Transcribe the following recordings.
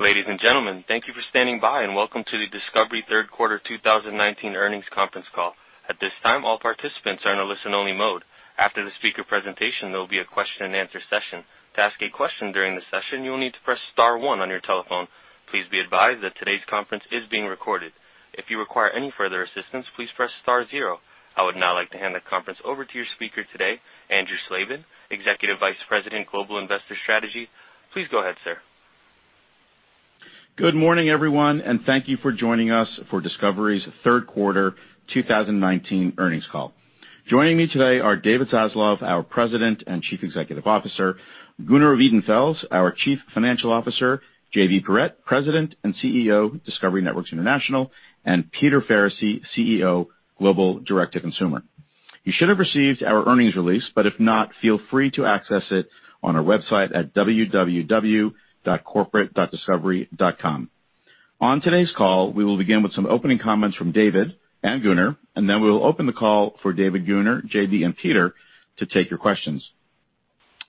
Ladies and gentlemen, thank you for standing by and welcome to the Discovery Third Quarter 2019 Earnings Conference Call. At this time, all participants are in a listen only mode. After the speaker presentation, there will be a question and answer session. To ask a question during the session, you will need to press star one on your telephone. Please be advised that today's conference is being recorded. If you require any further assistance, please press star zero. I would now like to hand the conference over to your speaker today, Andrew Slabin, Executive Vice President, Global Investor Strategy. Please go ahead, sir. Good morning, everyone, and thank you for joining us for Discovery's third quarter 2019 earnings call. Joining me today are David Zaslav, our President and Chief Executive Officer, Gunnar Wiedenfels, our Chief Financial Officer, J.B. Perrette, President and CEO of Discovery Networks International, and Peter Faricy, CEO, Global Direct to Consumer. You should have received our earnings release, but if not, feel free to access it on our website at www.corporate.discovery.com. On today's call, we will begin with some opening comments from David and Gunnar and then we will open the call for David, Gunnar, J.B. and Peter to take your questions.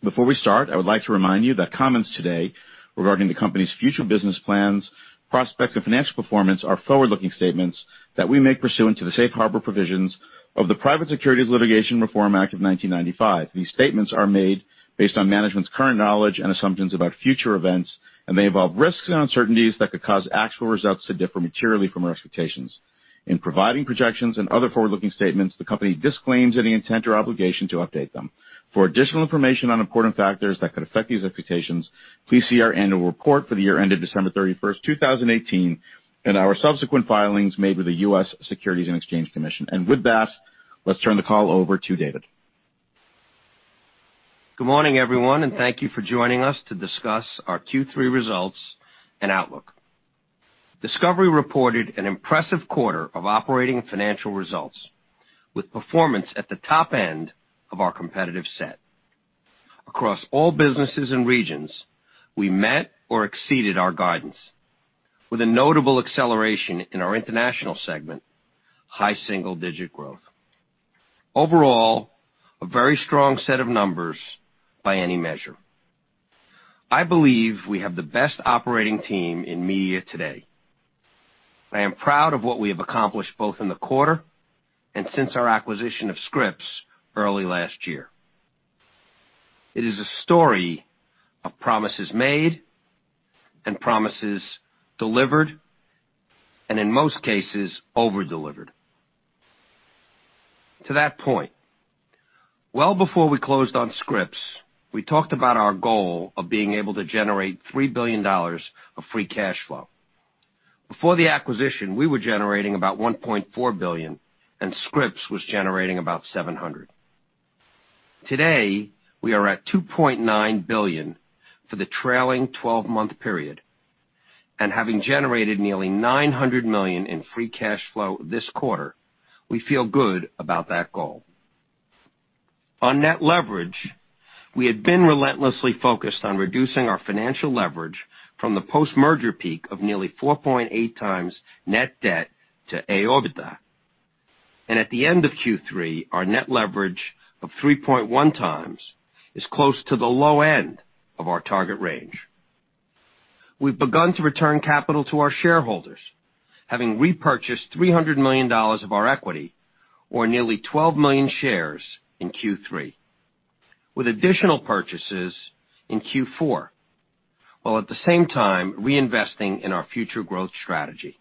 Before we start, I would like to remind you that comments today regarding the company's future business plans, prospects of financial performance are forward-looking statements that we make pursuant to the safe harbor provisions of the Private Securities Litigation Reform Act of 1995. These statements are made based on management's current knowledge and assumptions about future events, and may involve risks and uncertainties that could cause actual results to differ materially from our expectations. In providing projections and other forward-looking statements, the company disclaims any intent or obligation to update them. For additional information on important factors that could affect these expectations, please see our annual report for the year ended December 31st, 2018, and our subsequent filings made with the U.S. Securities and Exchange Commission. With that, let's turn the call over to David. Good morning, everyone, and thank you for joining us to discuss our Q3 results and outlook. Discovery reported an impressive quarter of operating and financial results, with performance at the top end of our competitive set. Across all businesses and regions, we met or exceeded our guidance, with a notable acceleration in our international segment, high single-digit growth. Overall, a very strong set of numbers by any measure. I believe we have the best operating team in media today. I am proud of what we have accomplished both in the quarter and since our acquisition of Scripps early last year. It is a story of promises made and promises delivered, and in most cases, over-delivered. To that point, well before we closed on Scripps, we talked about our goal of being able to generate $3 billion of free cash flow. Before the acquisition, we were generating about $1.4 billion, and Scripps was generating about $700 million. Today, we are at $2.9 billion for the trailing 12-month period, and having generated nearly $900 million in free cash flow this quarter, we feel good about that goal. On net leverage, we had been relentlessly focused on reducing our financial leverage from the post-merger peak of nearly 4.8x net debt to AOIBDA. At the end of Q3, our net leverage of 3.1x is close to the low end of our target range. We've begun to return capital to our shareholders, having repurchased $300 million of our equity or nearly 12 million shares in Q3, with additional purchases in Q4, while at the same time reinvesting in our future growth strategy.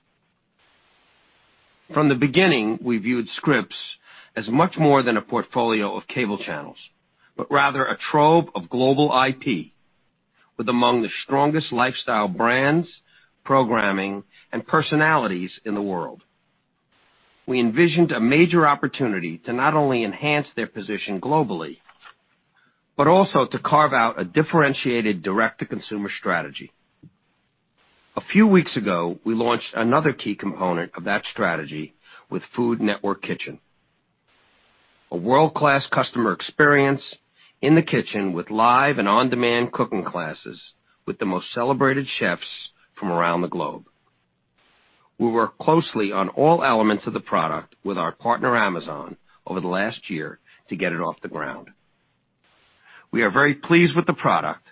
From the beginning, we viewed Scripps as much more than a portfolio of cable channels, but rather a trove of global IP with among the strongest lifestyle brands, programming, and personalities in the world. We envisioned a major opportunity to not only enhance their position globally, but also to carve out a differentiated direct-to-consumer strategy. A few weeks ago, we launched another key component of that strategy with Food Network Kitchen. A world-class customer experience in the kitchen with live and on-demand cooking classes with the most celebrated chefs from around the globe. We worked closely on all elements of the product with our partner, Amazon, over the last year to get it off the ground. We are very pleased with the product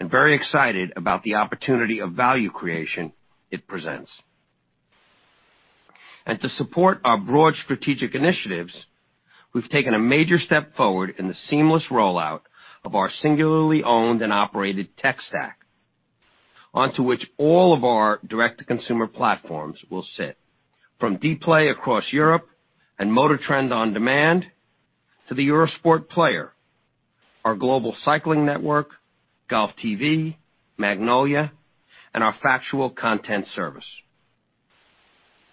and very excited about the opportunity of value creation it presents. To support our broad strategic initiatives, we've taken a major step forward in the seamless rollout of our singularly owned and operated tech stack, onto which all of our direct-to-consumer platforms will sit. From Dplay across Europe and MotorTrend OnDemand to the Eurosport Player, our Global Cycling Network, GolfTV, Magnolia, and our factual content service.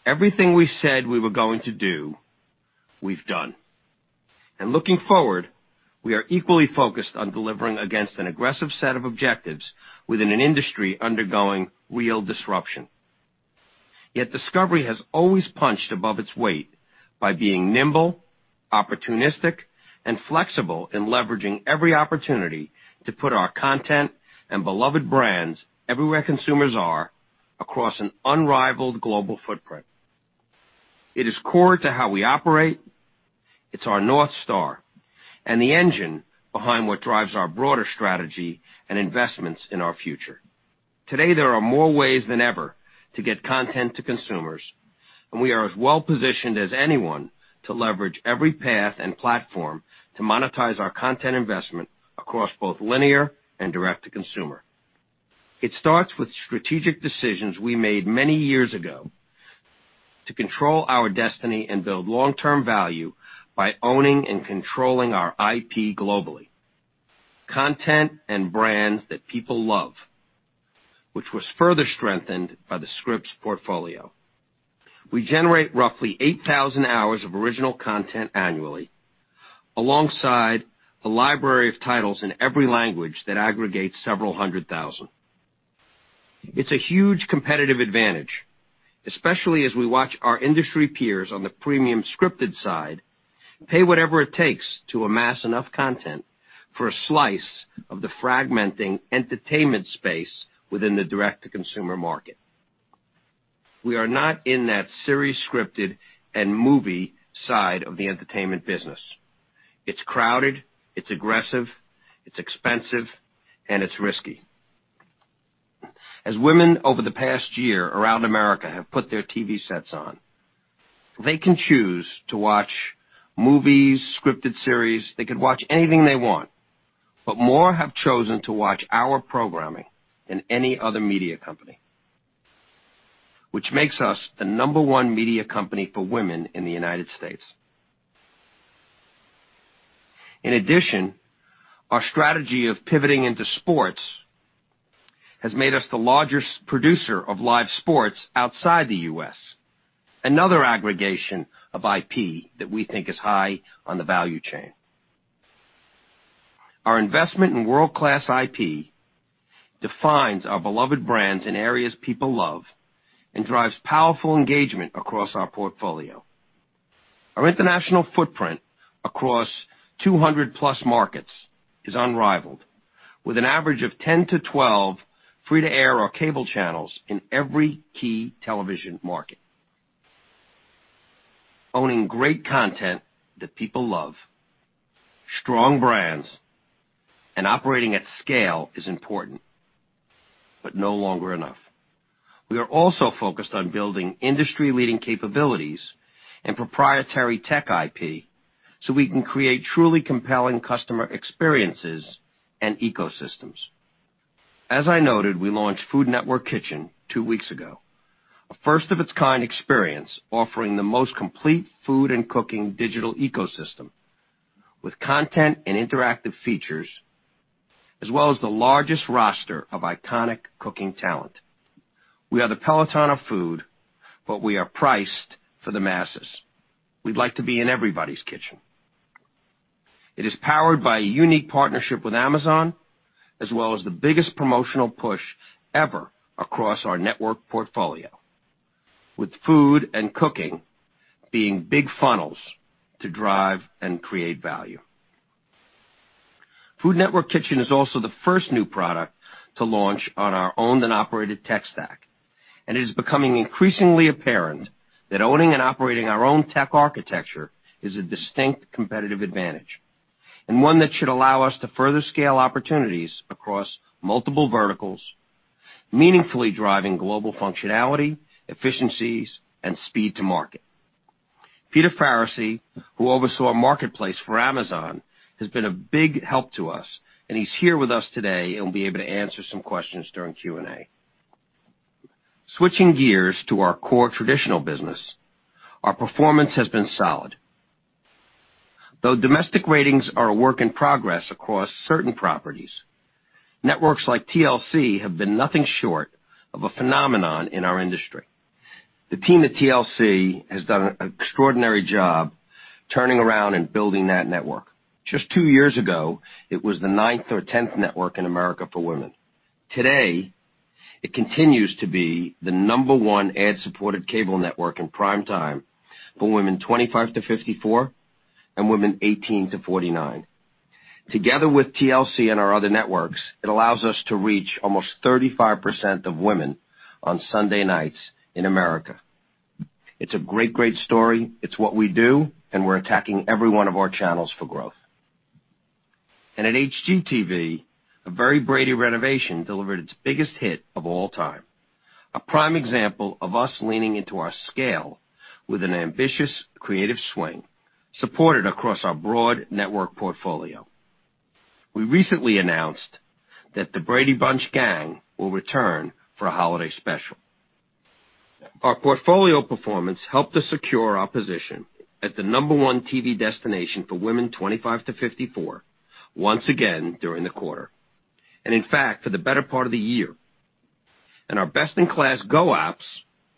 Everything we said we were going to do, we've done. Looking forward, we are equally focused on delivering against an aggressive set of objectives within an industry undergoing real disruption. Yet Discovery has always punched above its weight by being nimble, opportunistic, and flexible in leveraging every opportunity to put our content and beloved brands everywhere consumers are across an unrivaled global footprint. It is core to how we operate, it's our North Star, and the engine behind what drives our broader strategy and investments in our future. Today, there are more ways than ever to get content to consumers, and we are as well-positioned as anyone to leverage every path and platform to monetize our content investment across both linear and direct-to-consumer. It starts with strategic decisions we made many years ago to control our destiny and build long-term value by owning and controlling our IP globally, content and brands that people love, which was further strengthened by the Scripps portfolio. We generate roughly 8,000 hours of original content annually, alongside a library of titles in every language that aggregates several hundred thousand. It's a huge competitive advantage, especially as we watch our industry peers on the premium scripted side pay whatever it takes to amass enough content for a slice of the fragmenting entertainment space within the direct-to-consumer market. We are not in that series scripted and movie side of the entertainment business. It's crowded, it's aggressive, it's expensive, and it's risky. As women over the past year around America have put their TV sets on, they can choose to watch movies, scripted series. They could watch anything they want. More have chosen to watch our programming than any other media company, which makes us the number one media company for women in the U.S. In addition, our strategy of pivoting into sports has made us the largest producer of live sports outside the U.S. Another aggregation of IP that we think is high on the value chain. Our investment in world-class IP defines our beloved brands in areas people love and drives powerful engagement across our portfolio. Our international footprint across 200+ markets is unrivaled, with an average of 10-12 free to air or cable channels in every key television market. Owning great content that people love, strong brands, and operating at scale is important, but no longer enough. We are also focused on building industry-leading capabilities and proprietary tech IP so we can create truly compelling customer experiences and ecosystems. As I noted, we launched Food Network Kitchen two weeks ago, a first-of-its-kind experience offering the most complete food and cooking digital ecosystem with content and interactive features, as well as the largest roster of iconic cooking talent. We are the Peloton of food, but we are priced for the masses. We'd like to be in everybody's kitchen. It is powered by a unique partnership with Amazon, as well as the biggest promotional push ever across our network portfolio, with food and cooking being big funnels to drive and create value. Food Network Kitchen is also the first new product to launch on our owned and operated tech stack. It is becoming increasingly apparent that owning and operating our own tech architecture is a distinct competitive advantage, and one that should allow us to further scale opportunities across multiple verticals, meaningfully driving global functionality, efficiencies, and speed to market. Peter Faricy, who oversaw Marketplace for Amazon, has been a big help to us, and he's here with us today and will be able to answer some questions during Q&A. Switching gears to our core traditional business, our performance has been solid. Though domestic ratings are a work in progress across certain properties, networks like TLC have been nothing short of a phenomenon in our industry. The team at TLC has done an extraordinary job turning around and building that network. Just two years ago, it was the ninth or 10th network in America for women. Today, it continues to be the number one ad-supported cable network in prime time for women 25-54 and women 18-49. Together with TLC and our other networks, it allows us to reach almost 35% of women on Sunday nights in America. It's a great story. It's what we do, and we're attacking every one of our channels for growth. At HGTV, "A Very Brady Renovation" delivered its biggest hit of all time, a prime example of us leaning into our scale with an ambitious creative swing supported across our broad network portfolio. We recently announced that "The Brady Bunch" gang will return for a holiday special. Our portfolio performance helped us secure our position as the number one TV destination for women 25-54 once again during the quarter, and in fact, for the better part of the year. Our best-in-class GO apps,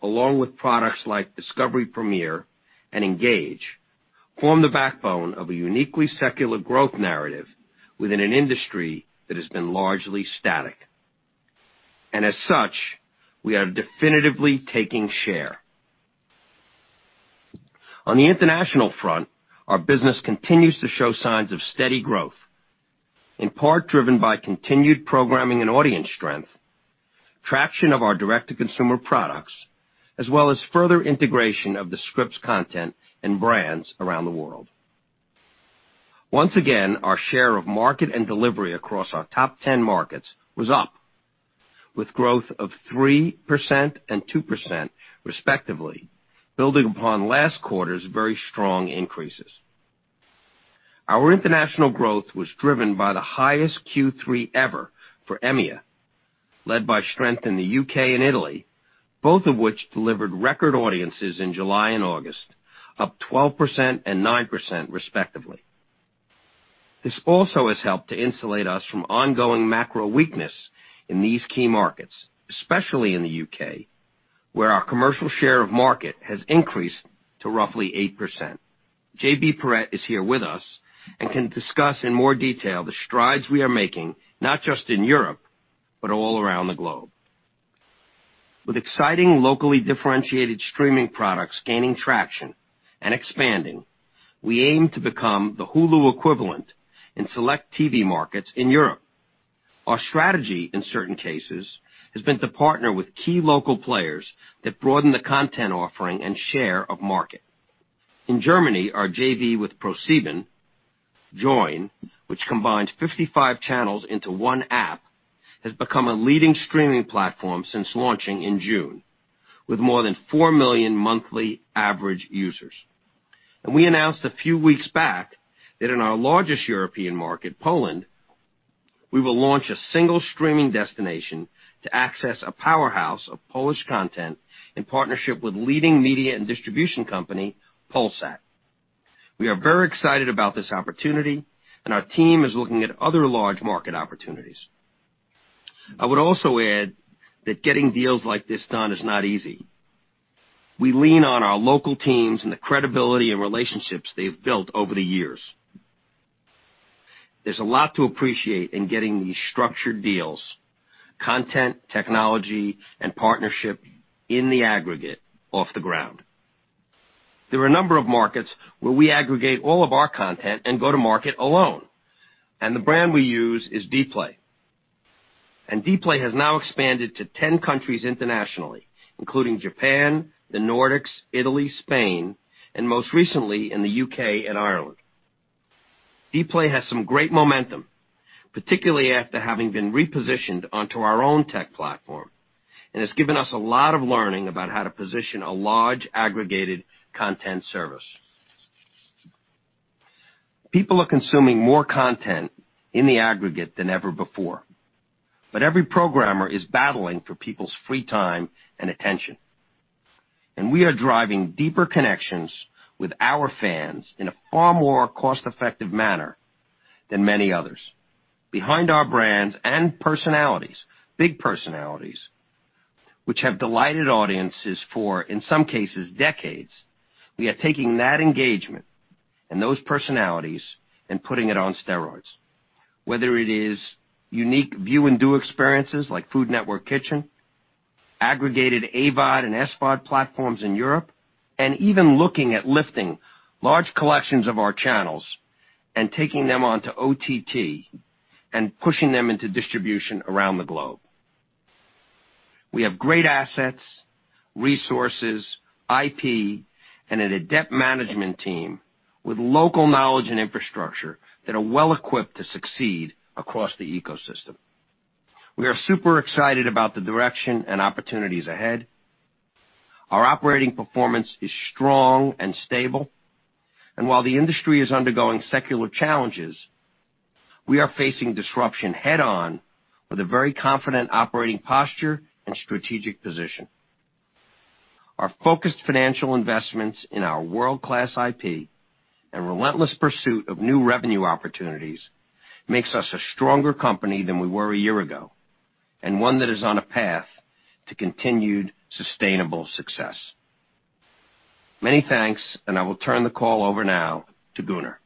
along with products like Discovery Premiere and Engage, form the backbone of a uniquely secular growth narrative within an industry that has been largely static. As such, we are definitively taking share. On the international front, our business continues to show signs of steady growth, in part driven by continued programming and audience strength. Traction of our direct-to-consumer products, as well as further integration of the Scripps content and brands around the world. Once again, our share of market and delivery across our top 10 markets was up, with growth of 3% and 2% respectively, building upon last quarter's very strong increases. Our international growth was driven by the highest Q3 ever for EMEA, led by strength in the U.K. and Italy, both of which delivered record audiences in July and August, up` 12% and 9% respectively. This also has helped to insulate us from ongoing macro weakness in these key markets, especially in the U.K., where our commercial share of market has increased to roughly 8%. J.B. Perrette is here with us and can discuss in more detail the strides we are making, not just in Europe, but all around the globe. With exciting locally differentiated streaming products gaining traction and expanding, we aim to become the Hulu equivalent in select TV markets in Europe. Our strategy, in certain cases, has been to partner with key local players that broaden the content offering and share of market. In Germany, our JV with ProSieben, Joyn, which combines 55 channels into one app, has become a leading streaming platform since launching in June, with more than 4 million monthly average users. We announced a few weeks back that in our largest European market, Poland, we will launch a single streaming destination to access a powerhouse of Polish content in partnership with leading media and distribution company, Polsat. We are very excited about this opportunity, and our team is looking at other large market opportunities. I would also add that getting deals like this done is not easy. We lean on our local teams and the credibility and relationships they've built over the years. There's a lot to appreciate in getting these structured deals, content, technology, and partnership in the aggregate off the ground. There are a number of markets where we aggregate all of our content and go to market alone, and the brand we use is Dplay. Dplay has now expanded to 10 countries internationally, including Japan, the Nordics, Italy, Spain, and most recently in the U.K. and Ireland. Dplay has some great momentum, particularly after having been repositioned onto our own tech platform, and it's given us a lot of learning about how to position a large aggregated content service. People are consuming more content in the aggregate than ever before, but every programmer is battling for people's free time and attention. We are driving deeper connections with our fans in a far more cost-effective manner than many others. Behind our brands and personalities, big personalities, which have delighted audiences for, in some cases, decades. We are taking that engagement and those personalities and putting it on steroids. Whether it is unique view and do experiences like Food Network Kitchen, aggregated AVOD and SVOD platforms in Europe, and even looking at lifting large collections of our channels and taking them onto OTT and pushing them into distribution around the globe. We have great assets, resources, IP, and an adept management team with local knowledge and infrastructure that are well-equipped to succeed across the ecosystem. We are super excited about the direction and opportunities ahead. Our operating performance is strong and stable. While the industry is undergoing secular challenges, we are facing disruption head-on with a very confident operating posture and strategic position. Our focused financial investments in our world-class IP and relentless pursuit of new revenue opportunities makes us a stronger company than we were a year ago, and one that is on a path to continued sustainable success. Many thanks, and I will turn the call over now to Gunnar.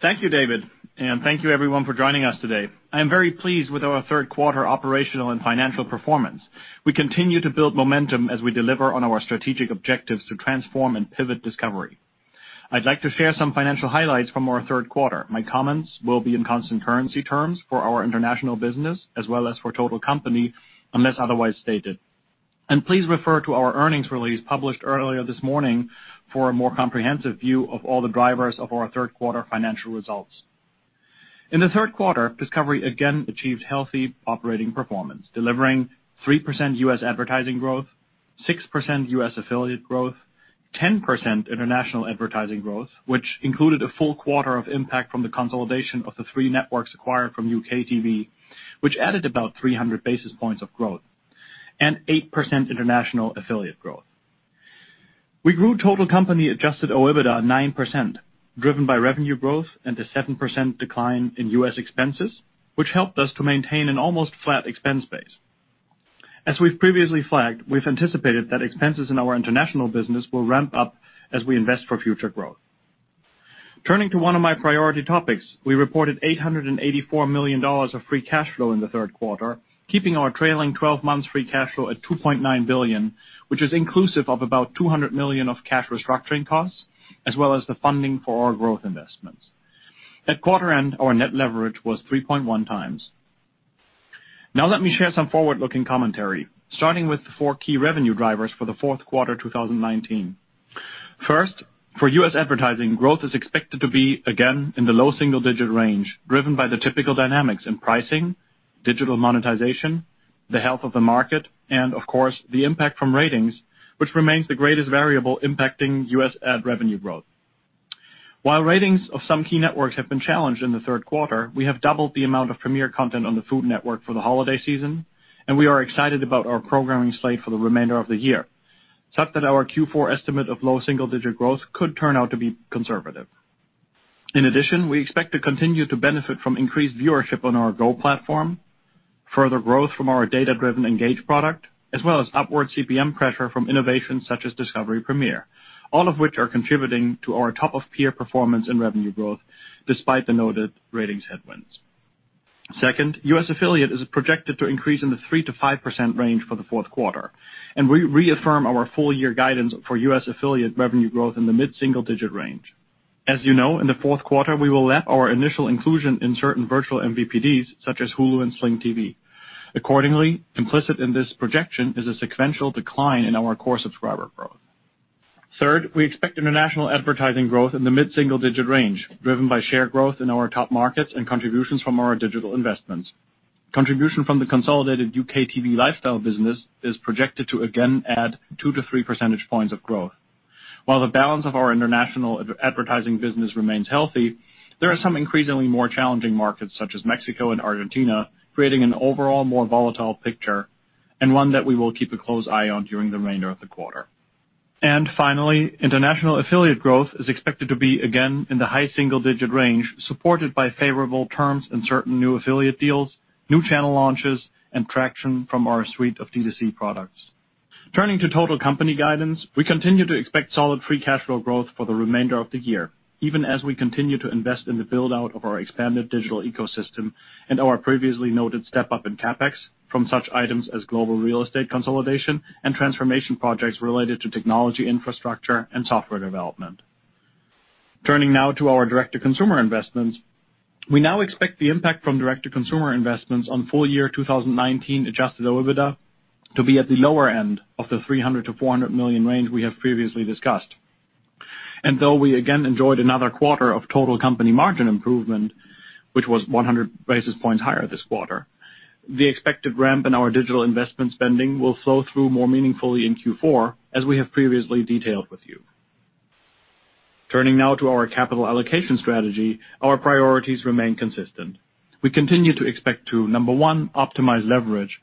Thank you, David. Thank you everyone for joining us today. I am very pleased with our third quarter operational and financial performance. We continue to build momentum as we deliver on our strategic objectives to transform and pivot Discovery. I'd like to share some financial highlights from our third quarter. My comments will be in constant currency terms for our international business as well as for total company, unless otherwise stated. Please refer to our earnings release published earlier this morning for a more comprehensive view of all the drivers of our third quarter financial results. In the third quarter, Discovery again achieved healthy operating performance, delivering 3% U.S. advertising growth, 6% U.S. affiliate growth, 10% international advertising growth, which included a full quarter of impact from the consolidation of the three networks acquired from UKTV, which added about 300 basis points of growth, and 8% international affiliate growth. We grew total company Adjusted OIBDA 9%, driven by revenue growth and a 7% decline in U.S. expenses, which helped us to maintain an almost flat expense base. As we've previously flagged, we've anticipated that expenses in our international business will ramp up as we invest for future growth. Turning to one of my priority topics, we reported $884 million of free cash flow in the third quarter, keeping our trailing 12 months free cash flow at $2.9 billion, which is inclusive of about $200 million of cash restructuring costs, as well as the funding for our growth investments. At quarter end, our net leverage was 3.1x. Let me share some forward-looking commentary, starting with the four key revenue drivers for the fourth quarter 2019. First, for U.S. advertising, growth is expected to be again in the low single-digit range, driven by the typical dynamics in pricing, digital monetization, the health of the market, and of course, the impact from ratings, which remains the greatest variable impacting U.S. ad revenue growth. While ratings of some key networks have been challenged in the third quarter, we have doubled the amount of premiere content on the Food Network for the holiday season, and we are excited about our programming slate for the remainder of the year, such that our Q4 estimate of low single-digit growth could turn out to be conservative. In addition, we expect to continue to benefit from increased viewership on our GO platform, further growth from our data-driven Engage product, as well as upward CPM pressure from innovations such as Discovery Premiere, all of which are contributing to our top-of-peer performance in revenue growth despite the noted ratings headwinds. Second, U.S. affiliate is projected to increase in the 3%-5% range for the fourth quarter, and we reaffirm our full year guidance for U.S. affiliate revenue growth in the mid-single digit range. As you know, in the fourth quarter, we will lap our initial inclusion in certain virtual MVPDs such as Hulu and Sling TV. Accordingly, implicit in this projection is a sequential decline in our core subscriber growth. Third, we expect international advertising growth in the mid-single-digit range, driven by share growth in our top markets and contributions from our digital investments. Contribution from the consolidated UKTV lifestyle business is projected to again add 2-3 percentage points of growth. While the balance of our international advertising business remains healthy, there are some increasingly more challenging markets such as Mexico and Argentina, creating an overall more volatile picture and one that we will keep a close eye on during the remainder of the quarter. Finally, international affiliate growth is expected to be again in the high single-digit range, supported by favorable terms in certain new affiliate deals, new channel launches, and traction from our suite of D2C products. Turning to total company guidance, we continue to expect solid free cash flow growth for the remainder of the year, even as we continue to invest in the build-out of our expanded digital ecosystem and our previously noted step-up in CapEx from such items as global real estate consolidation and transformation projects related to technology infrastructure and software development. Turning now to our direct-to-consumer investments. We now expect the impact from direct-to-consumer investments on full year 2019 Adjusted OIBDA to be at the lower end of the $300 million-$400 million range we have previously discussed. Though we again enjoyed another quarter of total company margin improvement, which was 100 basis points higher this quarter, the expected ramp in our digital investment spending will flow through more meaningfully in Q4, as we have previously detailed with you. Turning now to our capital allocation strategy, our priorities remain consistent. We continue to expect to, number one, optimize leverage.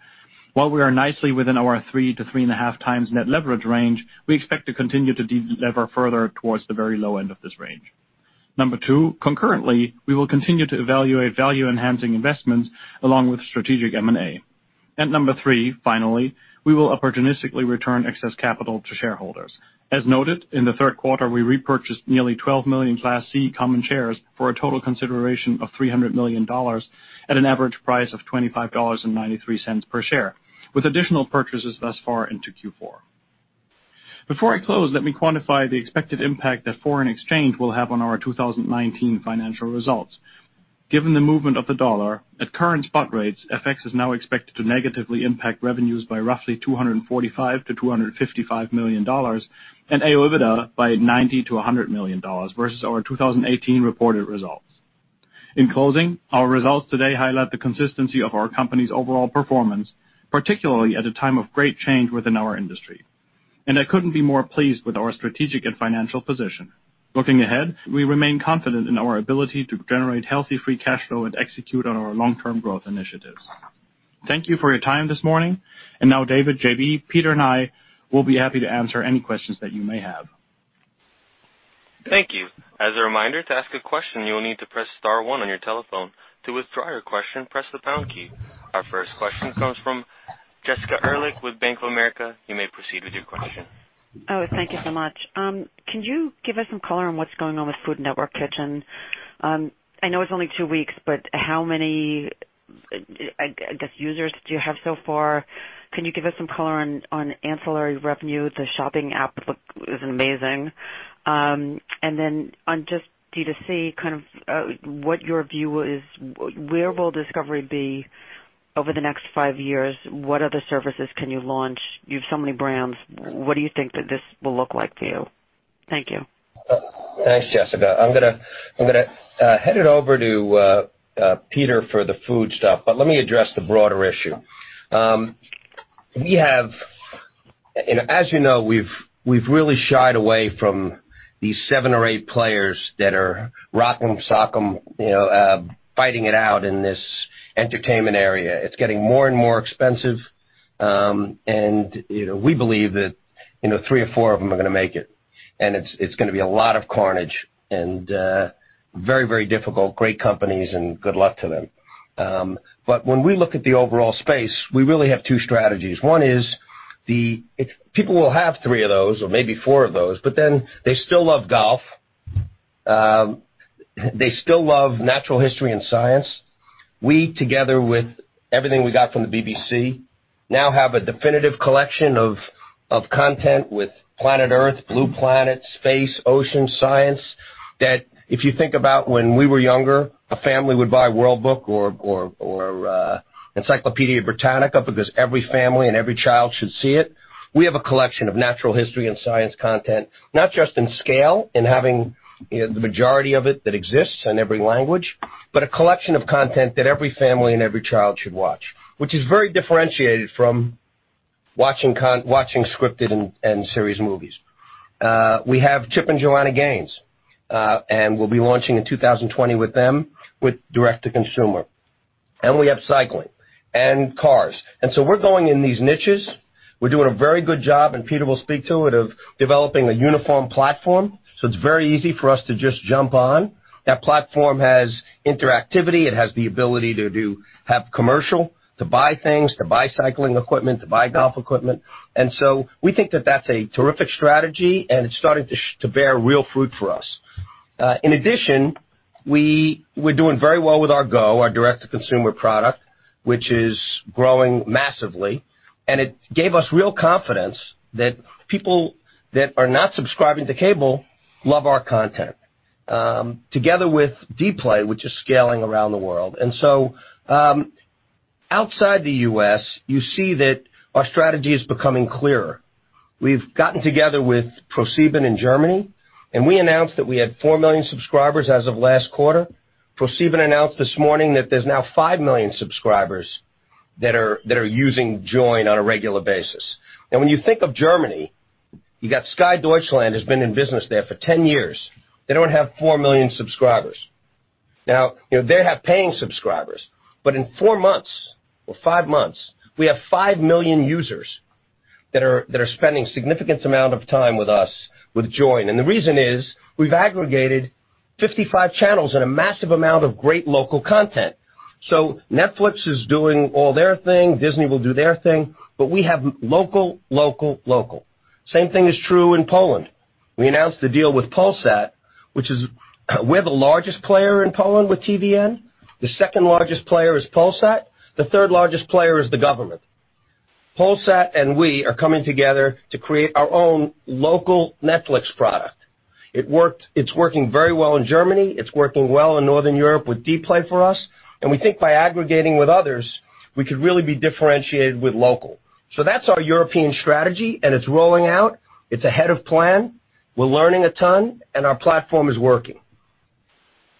While we are nicely within our 3x-3.5x net leverage range, we expect to continue to delever further towards the very low end of this range. Number two, concurrently, we will continue to evaluate value-enhancing investments along with strategic M&A. Number three, finally, we will opportunistically return excess capital to shareholders. As noted, in the third quarter, we repurchased nearly 12 million Class C common shares for a total consideration of $300 million at an average price of $25.93 per share, with additional purchases thus far into Q4. Before I close, let me quantify the expected impact that foreign exchange will have on our 2019 financial results. Given the movement of the dollar, at current spot rates, FX is now expected to negatively impact revenues by roughly $245 million-$255 million, and AOIBDA by $90 million-$100 million versus our 2018 reported results. In closing, our results today highlight the consistency of our company's overall performance, particularly at a time of great change within our industry. I couldn't be more pleased with our strategic and financial position. Looking ahead, we remain confident in our ability to generate healthy free cash flow and execute on our long-term growth initiatives. Thank you for your time this morning. Now, David, J.B., Peter, and I will be happy to answer any questions that you may have. Thank you. As a reminder, to ask a question, you will need to press star one on your telephone. To withdraw your question, press the pound key. Our first question comes from Jessica Ehrlich with Bank of America. You may proceed with your question. Thank you so much. Can you give us some color on what's going on with Food Network Kitchen? I know it's only two weeks, how many, I guess, users do you have so far? Can you give us some color on ancillary revenue? The shopping app is amazing. On just D2C, what your view is, where will Discovery be over the next five years? What other services can you launch? You have so many brands. What do you think that this will look like for you? Thank you. Thanks, Jessica. I'm going to hand it over to Peter for the food stuff, but let me address the broader issue. As you know, we've really shied away from these seven or eight players that are rock 'em, sock 'em, fighting it out in this entertainment area. It's getting more and more expensive. We believe that three or four of them are going to make it. It's going to be a lot of carnage and very, very difficult. Great companies and good luck to them. When we look at the overall space, we really have two strategies. One is people will have three of those or maybe four of those, but then they still love golf. They still love natural history and science. We, together with everything we got from the BBC, now have a definitive collection of content with Planet Earth, Blue Planet, space, ocean science, that if you think about when we were younger, a family would buy World Book or Encyclopedia Britannica because every family and every child should see it. We have a collection of natural history and science content, not just in scale, in having the majority of it that exists in every language, but a collection of content that every family and every child should watch, which is very differentiated from watching scripted and series movies. We have Chip and Joanna Gaines, and we'll be launching in 2020 with them with direct-to-consumer. We have cycling and cars. We're going in these niches. We're doing a very good job, Peter will speak to it, of developing a uniform platform. It's very easy for us to just jump on. That platform has interactivity. It has the ability to have commercial, to buy things, to buy cycling equipment, to buy golf equipment. We think that that's a terrific strategy. It's starting to bear real fruit for us. In addition, we're doing very well with our GO, our direct-to-consumer product, which is growing massively. It gave us real confidence that people that are not subscribing to cable love our content, together with Dplay, which is scaling around the world. Outside the U.S., you see that our strategy is becoming clearer. We've gotten together with ProSieben in Germany. We announced that we had 4 million subscribers as of last quarter. ProSieben announced this morning that there is now 5 million subscribers that are using Joyn on a regular basis. When you think of Germany, you got Sky Deutschland has been in business there for 10 years. They do not have 4 million subscribers. Now, they have paying subscribers. In 4 months or 5 months, we have 5 million users that are spending significant amount of time with us with Joyn. The reason is we have aggregated 55 channels and a massive amount of great local content. Netflix is doing all their thing, Disney will do their thing, but we have local, local. Same thing is true in Poland. We announced the deal with Polsat, which is we are the largest player in Poland with TVN. The second largest player is Polsat. The third largest player is the government. Polsat and we are coming together to create our own local Netflix product. It's working very well in Germany. It's working well in Northern Europe with Dplay for us. We think by aggregating with others, we could really be differentiated with local. That's our European strategy, and it's rolling out. It's ahead of plan. We're learning a ton, and our platform is working.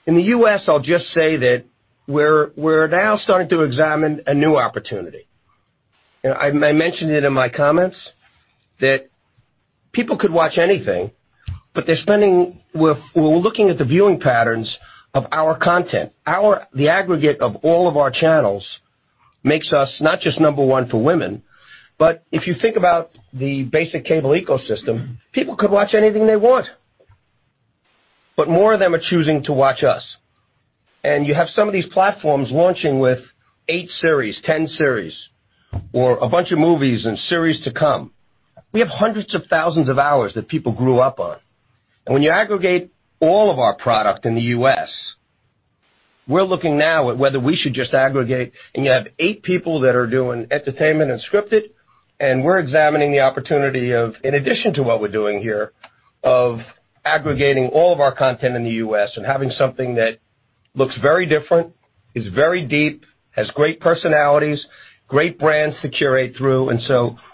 In the U.S., I'll just say that we're now starting to examine a new opportunity. I mentioned it in my comments that people could watch anything, but we're looking at the viewing patterns of our content. The aggregate of all of our channels makes us not just number one for women, but if you think about the basic cable ecosystem, people could watch anything they want. More of them are choosing to watch us. You have some of these platforms launching with eight series, 10 series, or a bunch of movies and series to come. We have hundreds of thousands of hours that people grew up on. When you aggregate all of our product in the U.S., we're looking now at whether we should just aggregate, and you have eight people that are doing entertainment and scripted, and we're examining the opportunity of, in addition to what we're doing here, of aggregating all of our content in the U.S. and having something that looks very different, is very deep, has great personalities, great brands to curate through.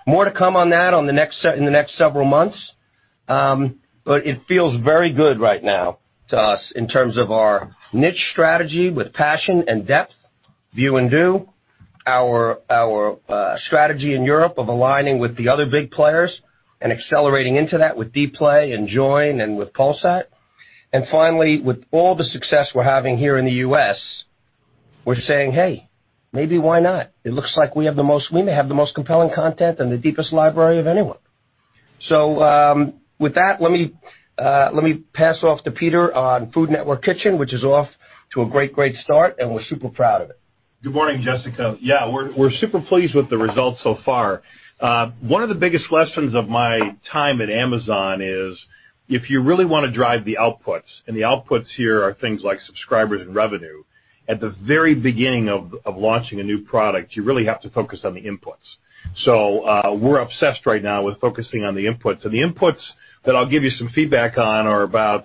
More to come on that in the next several months. It feels very good right now to us in terms of our niche strategy with passion and depth, view and do, our strategy in Europe of aligning with the other big players and accelerating into that with Dplay and Joyn and with Polsat. Finally, with all the success we're having here in the U.S., we're saying, "Hey, maybe why not? It looks like we may have the most compelling content and the deepest library of anyone." With that, let me pass off to Peter on Food Network Kitchen, which is off to a great start, and we're super proud of it. Good morning, Jessica. Yeah, we're super pleased with the results so far. One of the biggest lessons of my time at Amazon is if you really want to drive the outputs, and the outputs here are things like subscribers and revenue, at the very beginning of launching a new product, you really have to focus on the inputs. We're obsessed right now with focusing on the inputs. The inputs that I'll give you some feedback on are about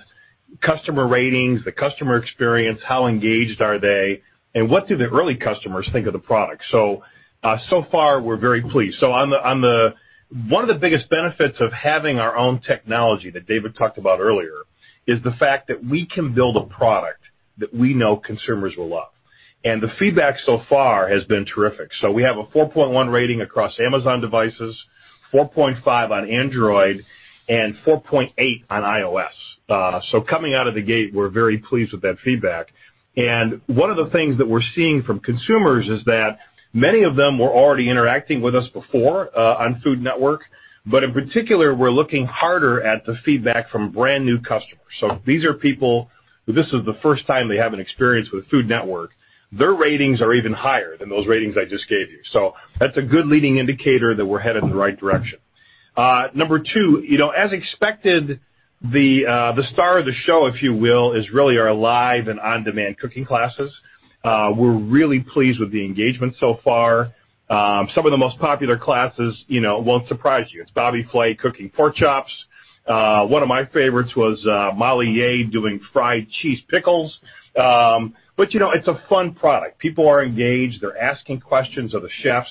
customer ratings, the customer experience, how engaged are they, and what do the early customers think of the product. So far, we're very pleased. One of the biggest benefits of having our own technology that David talked about earlier is the fact that we can build a product that we know consumers will love. The feedback so far has been terrific. We have a 4.1 rating across Amazon devices, 4.5 on Android, and 4.8 on iOS. Coming out of the gate, we're very pleased with that feedback. One of the things that we're seeing from consumers is that many of them were already interacting with us before on Food Network, but in particular, we're looking harder at the feedback from brand new customers. These are people who this is the first time they have an experience with Food Network. Their ratings are even higher than those ratings I just gave you. That's a good leading indicator that we're headed in the right direction. Number two, as expected, the star of the show, if you will, is really our live and on-demand cooking classes. We're really pleased with the engagement so far. Some of the most popular classes won't surprise you. It's Bobby Flay cooking pork chops. One of my favorites was Molly Yeh doing fried cheese pickles. It's a fun product. People are engaged. They're asking questions of the chefs.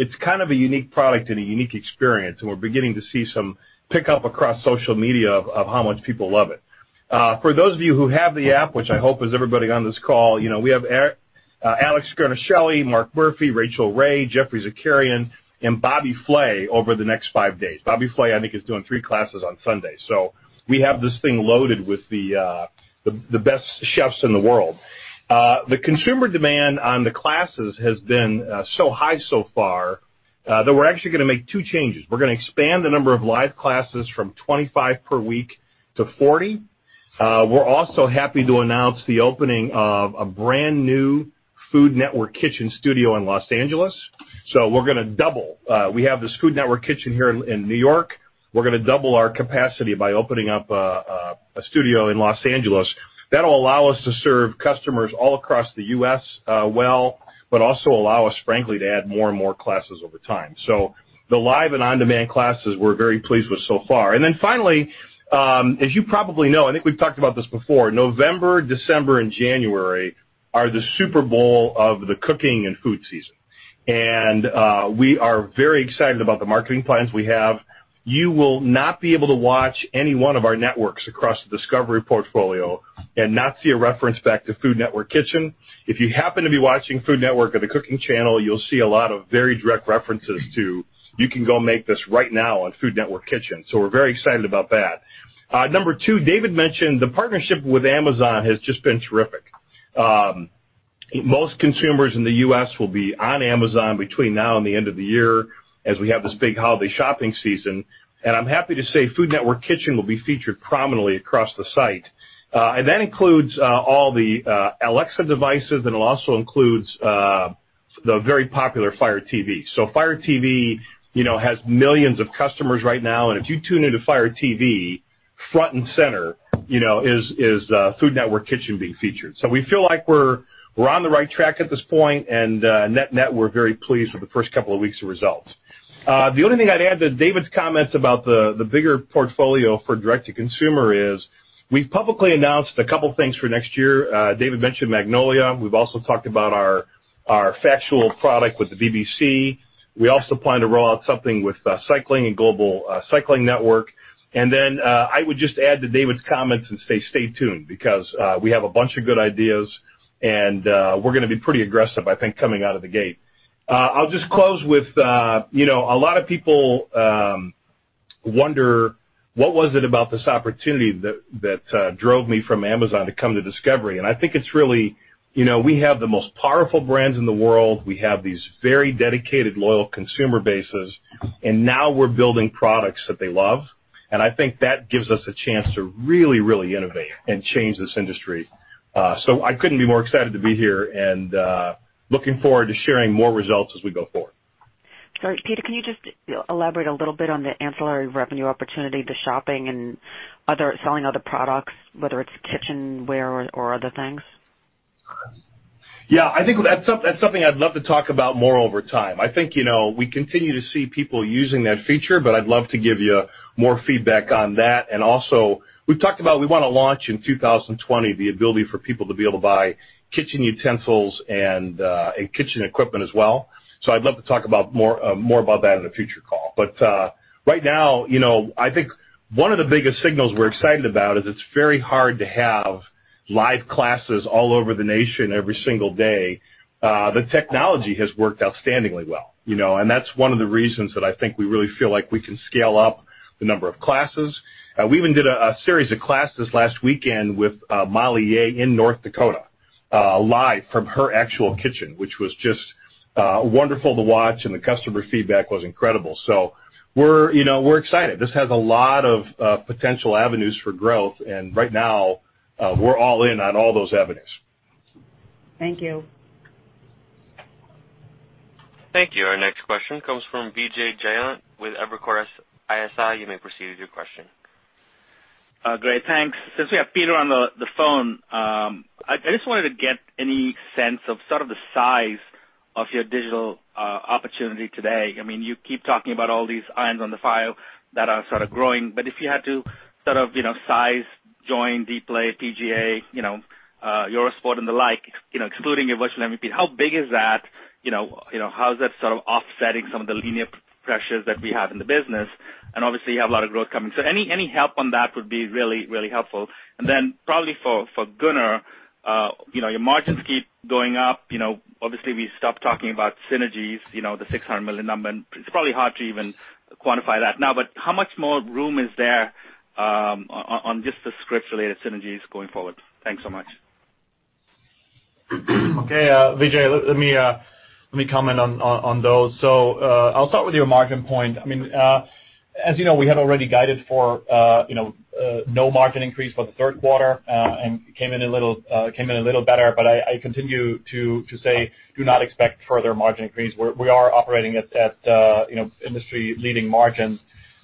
It's kind of a unique product and a unique experience, and we're beginning to see some pickup across social media of how much people love it. For those of you who have the app, which I hope is everybody on this call, we have Alex Guarnaschelli, Marc Murphy, Rachael Ray, Geoffrey Zakarian, and Bobby Flay over the next five days. Bobby Flay, I think, is doing three classes on Sunday. We have this thing loaded with the best chefs in the world. The consumer demand on the classes has been so high so far, that we're actually going to make two changes. We're going to expand the number of live classes from 25 per week to 40. We're also happy to announce the opening of a brand-new Food Network Kitchen studio in Los Angeles. We're going to double. We have this Food Network Kitchen here in New York. We're going to double our capacity by opening up a studio in Los Angeles. That'll allow us to serve customers all across the U.S. well, but also allow us, frankly, to add more and more classes over time. The live and on-demand classes we're very pleased with so far. Finally, as you probably know, I think we've talked about this before, November, December, and January are the Super Bowl of the cooking and food season. We are very excited about the marketing plans we have. You will not be able to watch any one of our networks across the Discovery portfolio and not see a reference back to Food Network Kitchen. If you happen to be watching Food Network or the Cooking Channel, you'll see a lot of very direct references to, "You can go make this right now on Food Network Kitchen." We're very excited about that. Number two, David mentioned the partnership with Amazon has just been terrific. Most consumers in the U.S. will be on Amazon between now and the end of the year as we have this big holiday shopping season, and I'm happy to say Food Network Kitchen will be featured prominently across the site. That includes all the Alexa devices, and it also includes the very popular Fire TV. Fire TV has millions of customers right now, and if you tune into Fire TV, front and center is Food Network Kitchen being featured. We feel like we're on the right track at this point and net we're very pleased with the first couple of weeks of results. The only thing I'd add to David's comments about the bigger portfolio for direct-to-consumer is we've publicly announced a couple of things for next year. David mentioned Magnolia. We've also talked about our factual product with the BBC. We also plan to roll out something with cycling and Global Cycling Network. I would just add to David's comments and say stay tuned, because we have a bunch of good ideas and we're going to be pretty aggressive, I think, coming out of the gate. I'll just close with a lot of people wonder what was it about this opportunity that drove me from Amazon to come to Discovery, and I think it's really, we have the most powerful brands in the world. We have these very dedicated, loyal consumer bases, now we're building products that they love. I think that gives us a chance to really innovate and change this industry. I couldn't be more excited to be here and looking forward to sharing more results as we go forward. Sorry, Peter, can you just elaborate a little bit on the ancillary revenue opportunity, the shopping and selling other products, whether it's kitchenware or other things? Yeah. I think that's something I'd love to talk about more over time. I think we continue to see people using that feature, but I'd love to give you more feedback on that. Also, we've talked about we want to launch in 2020, the ability for people to be able to buy kitchen utensils and kitchen equipment as well. I'd love to talk more about that in a future call. Right now, I think one of the biggest signals we're excited about is it's very hard to have live classes all over the nation every single day. The technology has worked outstandingly well, and that's one of the reasons that I think we really feel like we can scale up the number of classes. We even did a series of classes last weekend with Molly Yeh in North Dakota, live from her actual kitchen, which was just wonderful to watch, and the customer feedback was incredible. We're excited. This has a lot of potential avenues for growth, and right now, we're all in on all those avenues. Thank you. Thank you. Our next question comes from Vijay Jayant with Evercore ISI. You may proceed with your question. Great. Thanks. Since we have Peter on the phone, I just wanted to get any sense of sort of the size of your digital opportunity today. You keep talking about all these irons on the fire that are sort of growing, but if you had to sort of size, Joyn, Dplay, PGA, Eurosport, and the like, excluding your virtual MVPD, how big is that? How is that sort of offsetting some of the linear pressures that we have in the business? Obviously, you have a lot of growth coming. Any help on that would be really helpful. Then probably for Gunnar, your margins keep going up. Obviously, we stopped talking about synergies, the $600 million number, and it's probably hard to even quantify that now, but how much more room is there on just the Scripps-related synergies going forward? Thanks so much. Okay, Vijay, let me comment on those. I'll start with your margin point. As you know, we had already guided for no margin increase for the third quarter, came in a little better, but I continue to say, do not expect further margin increase. We are operating at industry-leading margins.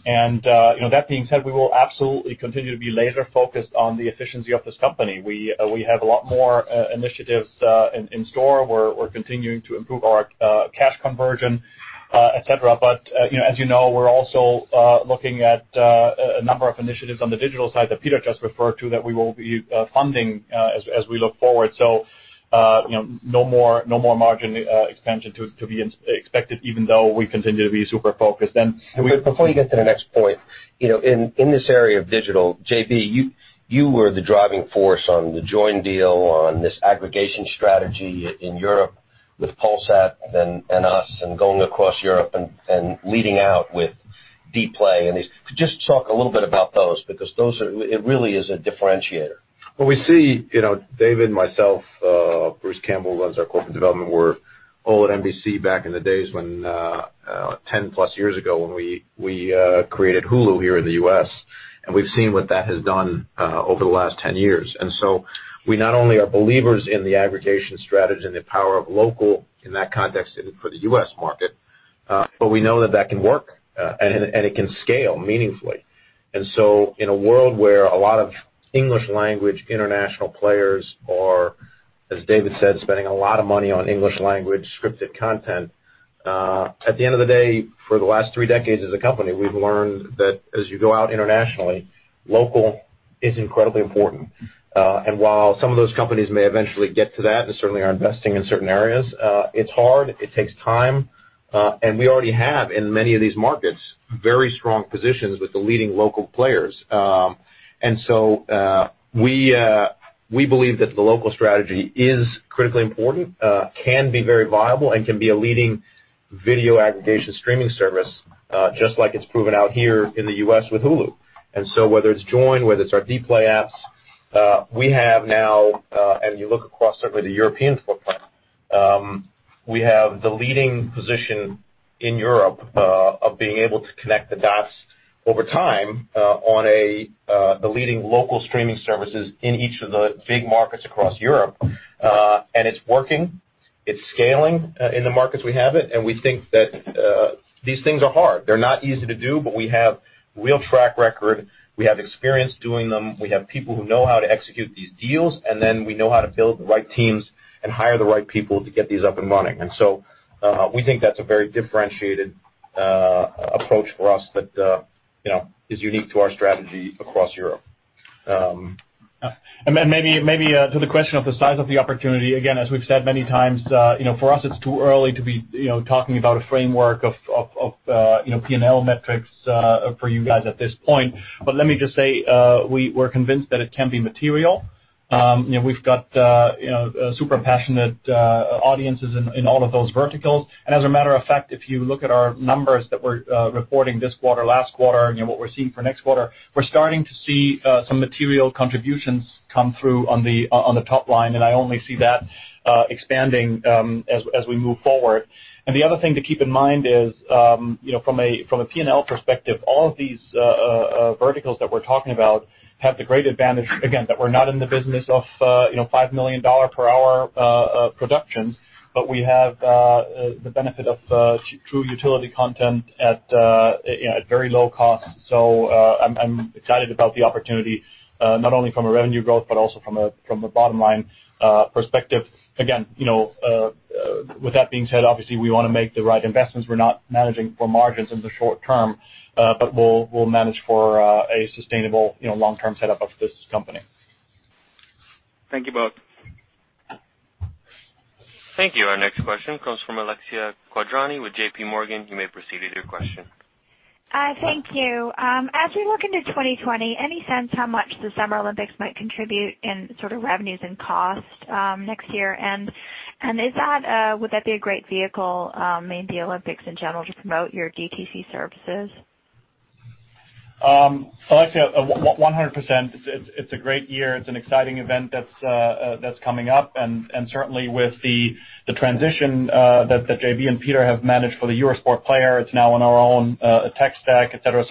That being said, we will absolutely continue to be laser focused on the efficiency of this company. We have a lot more initiatives in store. We're continuing to improve our cash conversion, et cetera. As you know, we're also looking at a number of initiatives on the digital side that Peter just referred to that we will be funding as we look forward. No more margin expansion to be expected, even though we continue to be super focused. Before you get to the next point. In this area of digital, J.B., you were the driving force on the joint deal on this aggregation strategy in Europe with Polsat and us, and going across Europe and leading out with Dplay and these. Could you just talk a little bit about those, because it really is a differentiator. Well, we see David, myself, Bruce Campbell, who runs our corporate development, were all at NBC back in the days 10+years ago when we created Hulu here in the U.S. We've seen what that has done over the last 10 years. We not only are believers in the aggregation strategy and the power of local in that context for the U.S. market, but we know that can work, and it can scale meaningfully. In a world where a lot of English language international players are, as David said, spending a lot of money on English language scripted content. At the end of the day, for the last three decades as a company, we've learned that as you go out internationally, local is incredibly important. While some of those companies may eventually get to that, and certainly are investing in certain areas, it's hard. It takes time. We already have, in many of these markets, very strong positions with the leading local players. We believe that the local strategy is critically important, can be very viable, and can be a leading video aggregation streaming service, just like it's proven out here in the U.S. with Hulu. Whether it's Joyn, whether it's our Dplay apps, we have now, and you look across certainly the European footprint. We have the leading position in Europe of being able to connect the dots over time on the leading local streaming services in each of the big markets across Europe. It's working. It's scaling in the markets we have it, and we think that these things are hard. They're not easy to do, but we have real track record. We have experience doing them. We have people who know how to execute these deals, and then we know how to build the right teams and hire the right people to get these up and running. We think that's a very differentiated approach for us that is unique to our strategy across Europe. Then maybe to the question of the size of the opportunity, again, as we've said many times, for us it's too early to be talking about a framework of P&L metrics for you guys at this point. Let me just say, we're convinced that it can be material. We've got super passionate audiences in all of those verticals. As a matter of fact, if you look at our numbers that we're reporting this quarter, last quarter, and what we're seeing for next quarter, we're starting to see some material contributions come through on the top line, and I only see that expanding as we move forward. The other thing to keep in mind is, from a P&L perspective, all of these verticals that we're talking about have the great advantage, again, that we're not in the business of $5 million per hour productions, but we have the benefit of true utility content at very low cost. I'm excited about the opportunity, not only from a revenue growth, but also from a bottom-line perspective. With that being said, obviously, we want to make the right investments. We're not managing for margins in the short term, but we'll manage for a sustainable long-term set up of this company. Thank you both. Thank you. Our next question comes from Alexia Quadrani with JPMorgan. You may proceed with your question. Thank you. As we look into 2020, any sense how much the Summer Olympics might contribute in sort of revenues and cost next year? Would that be a great vehicle, maybe Olympics in general, to promote your DTC services? Alexia, 100%. It's a great year. It's an exciting event that's coming up. Certainly with the transition that J.B. and Peter have managed for the Eurosport Player, it's now on our own tech stack, et cetera.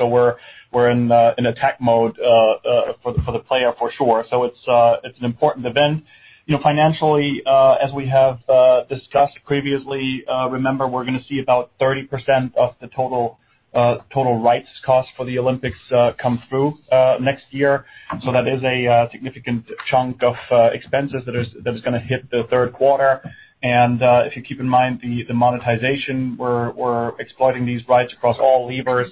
We're in attack mode for the Player for sure. It's an important event. Financially, as we have discussed previously, remember, we're going to see about 30% of the total rights cost for the Olympics come through next year. That is a significant chunk of expenses that is going to hit the third quarter. If you keep in mind the monetization, we're exploiting these rights across all levers,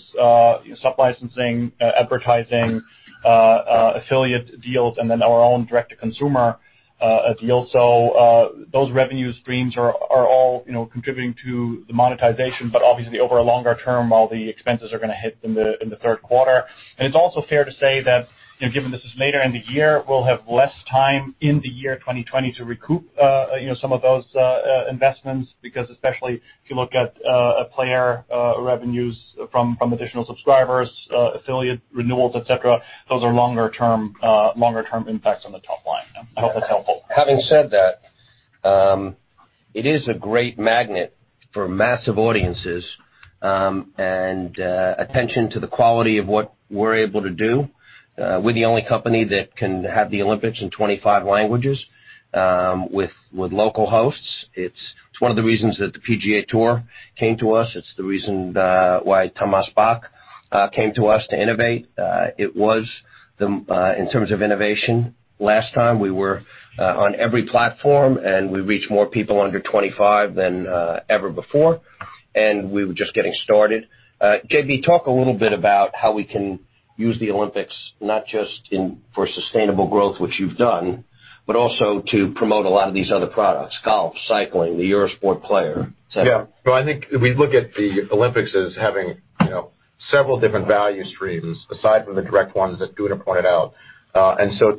sub-licensing, advertising, affiliate deals, and then our own direct-to-consumer deals. Those revenue streams are all contributing to the monetization. Obviously over a longer term, all the expenses are going to hit in the third quarter. It's also fair to say that, given this is later in the year, we'll have less time in the year 2020 to recoup some of those investments, because especially if you look at Player revenues from additional subscribers, affiliate renewals, et cetera, those are longer term impacts on the top line. I hope that's helpful. Having said that. It is a great magnet for massive audiences, and attention to the quality of what we're able to do. We're the only company that can have the Olympics in 25 languages, with local hosts. It's one of the reasons that the PGA Tour came to us. It's the reason why Thomas Bach came to us to innovate. It was, in terms of innovation, last time we were on every platform, and we reached more people under 25 than ever before, and we were just getting started. J.B., talk a little bit about how we can use the Olympics, not just for sustainable growth, which you've done, but also to promote a lot of these other products, golf, cycling, the Eurosport Player, et cetera. Yeah. I think we look at the Olympics as having several different value streams aside from the direct ones that Gunnar pointed out.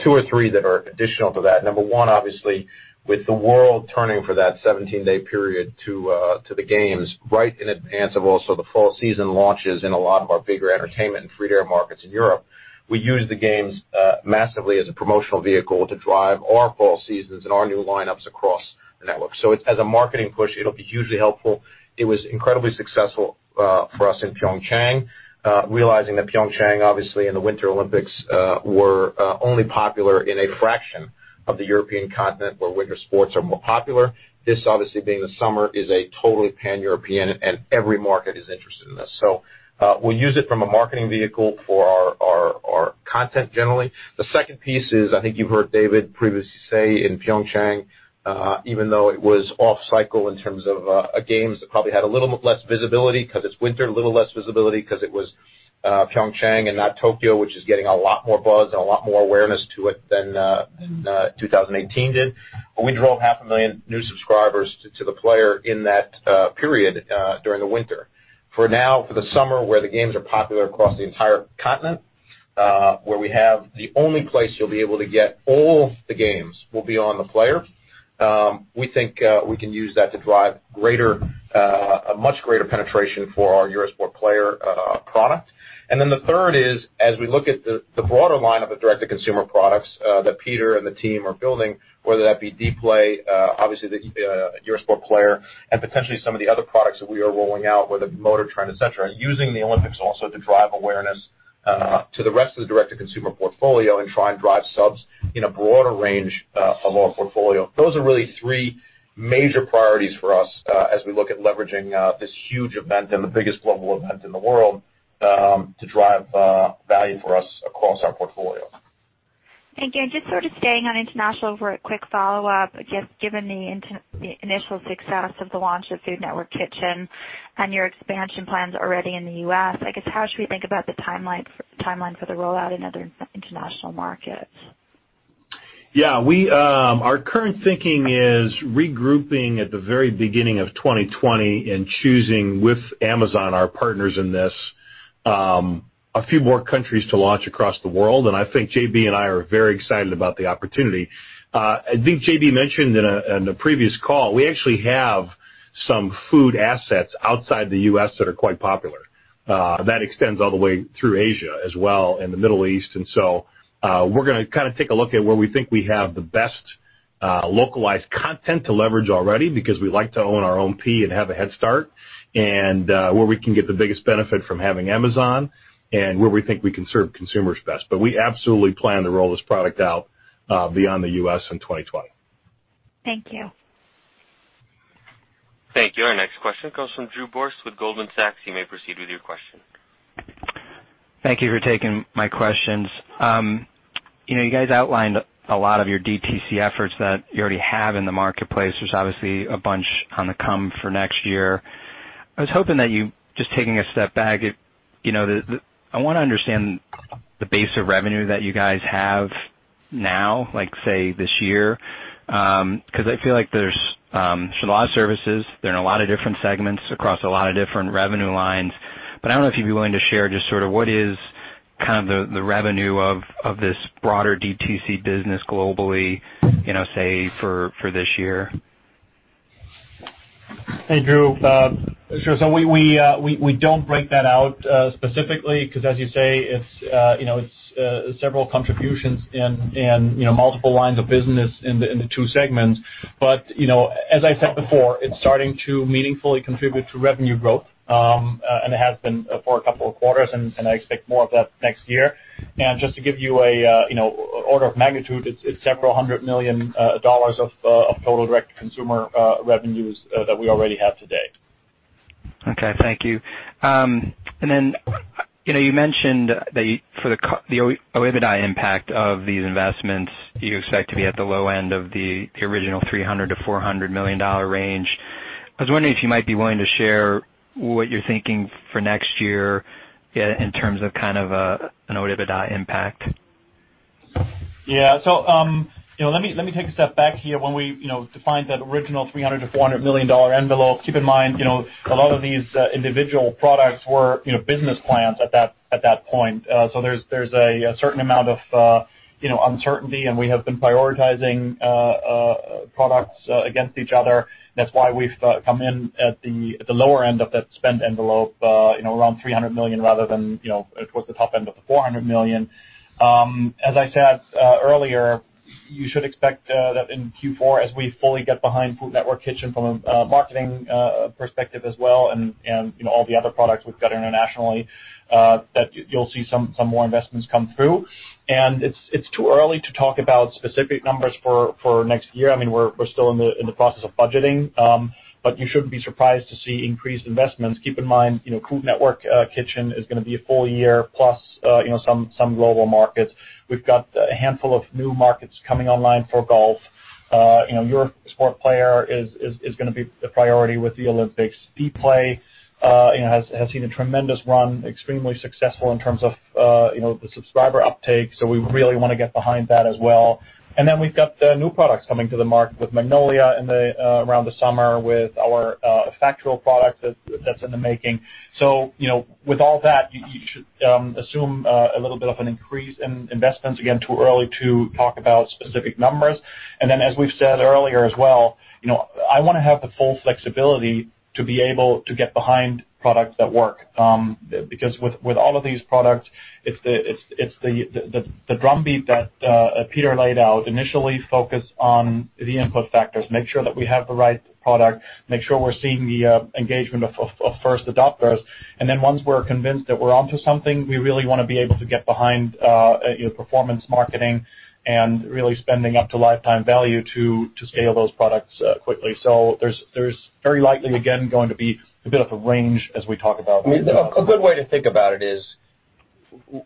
Two or three that are additional to that. Number one, obviously, with the world turning for that 17-day period to the games, right in advance of also the fall season launches in a lot of our bigger entertainment and free-to-air markets in Europe. We use the games massively as a promotional vehicle to drive our fall seasons and our new lineups across the network. As a marketing push, it'll be hugely helpful. It was incredibly successful for us in Pyeongchang. Realizing that Pyeongchang, obviously, and the Winter Olympics were only popular in a fraction of the European continent where winter sports are more popular. This obviously being the summer is a totally Pan-European, and every market is interested in this. We'll use it from a marketing vehicle for our content generally. The second piece is, I think you've heard David previously say in Pyeongchang, even though it was off cycle in terms of a games that probably had a little less visibility because it's winter, a little less visibility because it was Pyeongchang and not Tokyo, which is getting a lot more buzz and a lot more awareness to it than 2018 did. We drove 500,000 new subscribers to the Player in that period during the winter. For now, for the summer, where the games are popular across the entire continent, where we have the only place you'll be able to get all the games will be on the Player. We think we can use that to drive a much greater penetration for our Eurosport Player product. The third is, as we look at the broader line of the direct-to-consumer products that Peter and the team are building, whether that be Dplay, obviously the Eurosport Player, and potentially some of the other products that we are rolling out, whether MotorTrend, et cetera, using the Olympics also to drive awareness to the rest of the direct-to-consumer portfolio and try and drive subs in a broader range of our portfolio. Those are really three major priorities for us as we look at leveraging this huge event and the biggest global event in the world, to drive value for us across our portfolio. Just sort of staying on international for a quick follow-up. Just given the initial success of the launch of Food Network Kitchen and your expansion plans already in the U.S., I guess how should we think about the timeline for the rollout in other international markets? Our current thinking is regrouping at the very beginning of 2020 and choosing, with Amazon, our partners in this, a few more countries to launch across the world, and I think J.B. and I are very excited about the opportunity. I think J.B. mentioned in a previous call, we actually have some food assets outside the U.S. that are quite popular. That extends all the way through Asia as well and the Middle East. We're going to take a look at where we think we have the best localized content to leverage already because we like to own our own [IP] and have a head start, and where we can get the biggest benefit from having Amazon, and where we think we can serve consumers best. We absolutely plan to roll this product out beyond the U.S. in 2020. Thank you. Thank you. Our next question comes from Drew Borst with Goldman Sachs. You may proceed with your question. Thank you for taking my questions. You guys outlined a lot of your DTC efforts that you already have in the marketplace. There's obviously a bunch on the come for next year. I was hoping that you, just taking a step back, I want to understand the base of revenue that you guys have now, say, this year. I feel like there's a lot of services, they're in a lot of different segments across a lot of different revenue lines. I don't know if you'd be willing to share just sort of what is kind of the revenue of this broader DTC business globally, say, for this year. Hey, Drew. Sure. We don't break that out specifically because, as you say, it's several contributions and multiple lines of business in the two segments. As I said before, it's starting to meaningfully contribute to revenue growth. It has been for a couple of quarters, and I expect more of that next year. Just to give you an order of magnitude, it's several hundred million a dollars of total direct-to-consumer revenues that we already have today. Okay. Thank you. You mentioned that for the Adjusted OIBDA impact of these investments, you expect to be at the low end of the original $300 million-$400 million range. I was wondering if you might be willing to share what you're thinking for next year in terms of kind of an Adjusted OIBDA impact. Yeah. Let me take a step back here. When we defined that original $300 million-$400 million envelope, keep in mind, a lot of these individual products were business plans at that point. There's a certain amount of uncertainty, and we have been prioritizing products against each other. That's why we've come in at the lower end of that spend envelope, around $300 million rather than towards the top end of the $400 million. As I said earlier. You should expect that in Q4 as we fully get behind Food Network Kitchen from a marketing perspective as well, and all the other products we've got internationally, that you'll see some more investments come through. It's too early to talk about specific numbers for next year. We're still in the process of budgeting. You shouldn't be surprised to see increased investments. Keep in mind, Food Network Kitchen is going to be a full year plus some global markets. We've got a handful of new markets coming online for golf. Eurosport Player is going to be the priority with the Olympics. Dplay has seen a tremendous run, extremely successful in terms of the subscriber uptake. We really want to get behind that as well. We've got the new products coming to the market with Magnolia around the summer with our factual product that's in the making. With all that, you should assume a little bit of an increase in investments. Again, too early to talk about specific numbers. As we've said earlier as well, I want to have the full flexibility to be able to get behind products that work. With all of these products, it's the drumbeat that Peter laid out. Initially focus on the input factors, make sure that we have the right product, make sure we're seeing the engagement of first adopters, and then once we're convinced that we're onto something, we really want to be able to get behind performance marketing and really spending up to lifetime value to scale those products quickly. There's very likely, again, going to be a bit of a range as we talk about. A good way to think about it is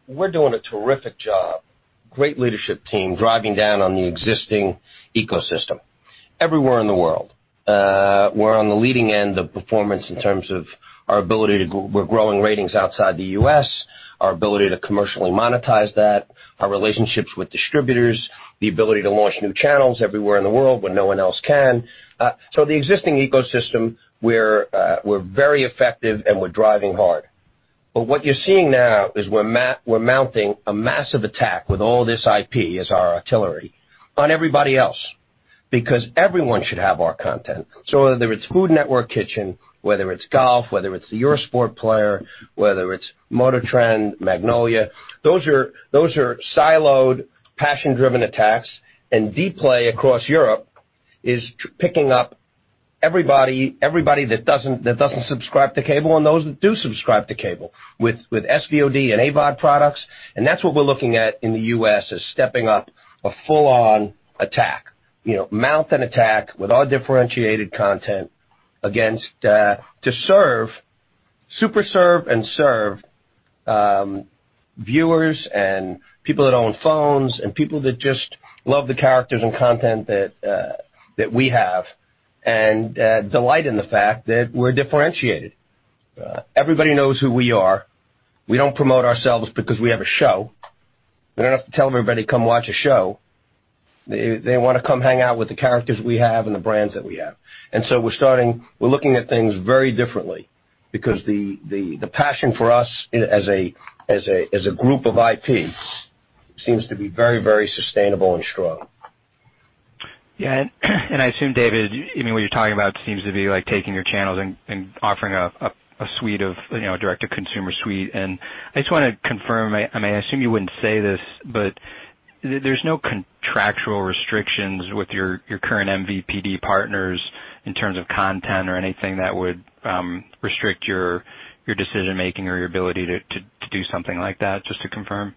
we're doing a terrific job. Great leadership team driving down on the existing ecosystem. Everywhere in the world, we're on the leading end of performance in terms of our ability to. We're growing ratings outside the U.S., our ability to commercially monetize that, our relationships with distributors, the ability to launch new channels everywhere in the world when no one else can. The existing ecosystem, we're very effective and we're driving hard. What you're seeing now is we're mounting a massive attack with all this IP as our artillery on everybody else, because everyone should have our content. Whether it's Food Network Kitchen, whether it's golf, whether it's the Eurosport Player, whether it's MotorTrend, Magnolia, those are siloed, passion-driven attacks. Dplay across Europe is picking up everybody that doesn't subscribe to cable and those that do subscribe to cable with SVOD and AVOD products. That's what we're looking at in the U.S., is stepping up a full-on attack. Mount an attack with our differentiated content to serve, super serve, and serve viewers and people that own phones and people that just love the characters and content that we have and delight in the fact that we're differentiated. Everybody knows who we are. We don't promote ourselves because we have a show. We don't have to tell everybody, "Come watch a show." They want to come hang out with the characters we have and the brands that we have. We're looking at things very differently because the passion for us as a group of IPs seems to be very sustainable and strong. Yeah. I assume, David, what you're talking about seems to be taking your channels and offering a direct-to-consumer suite. I just want to confirm, I assume you wouldn't say this, but there's no contractual restrictions with your current MVPD partners in terms of content or anything that would restrict your decision-making or your ability to do something like that, just to confirm?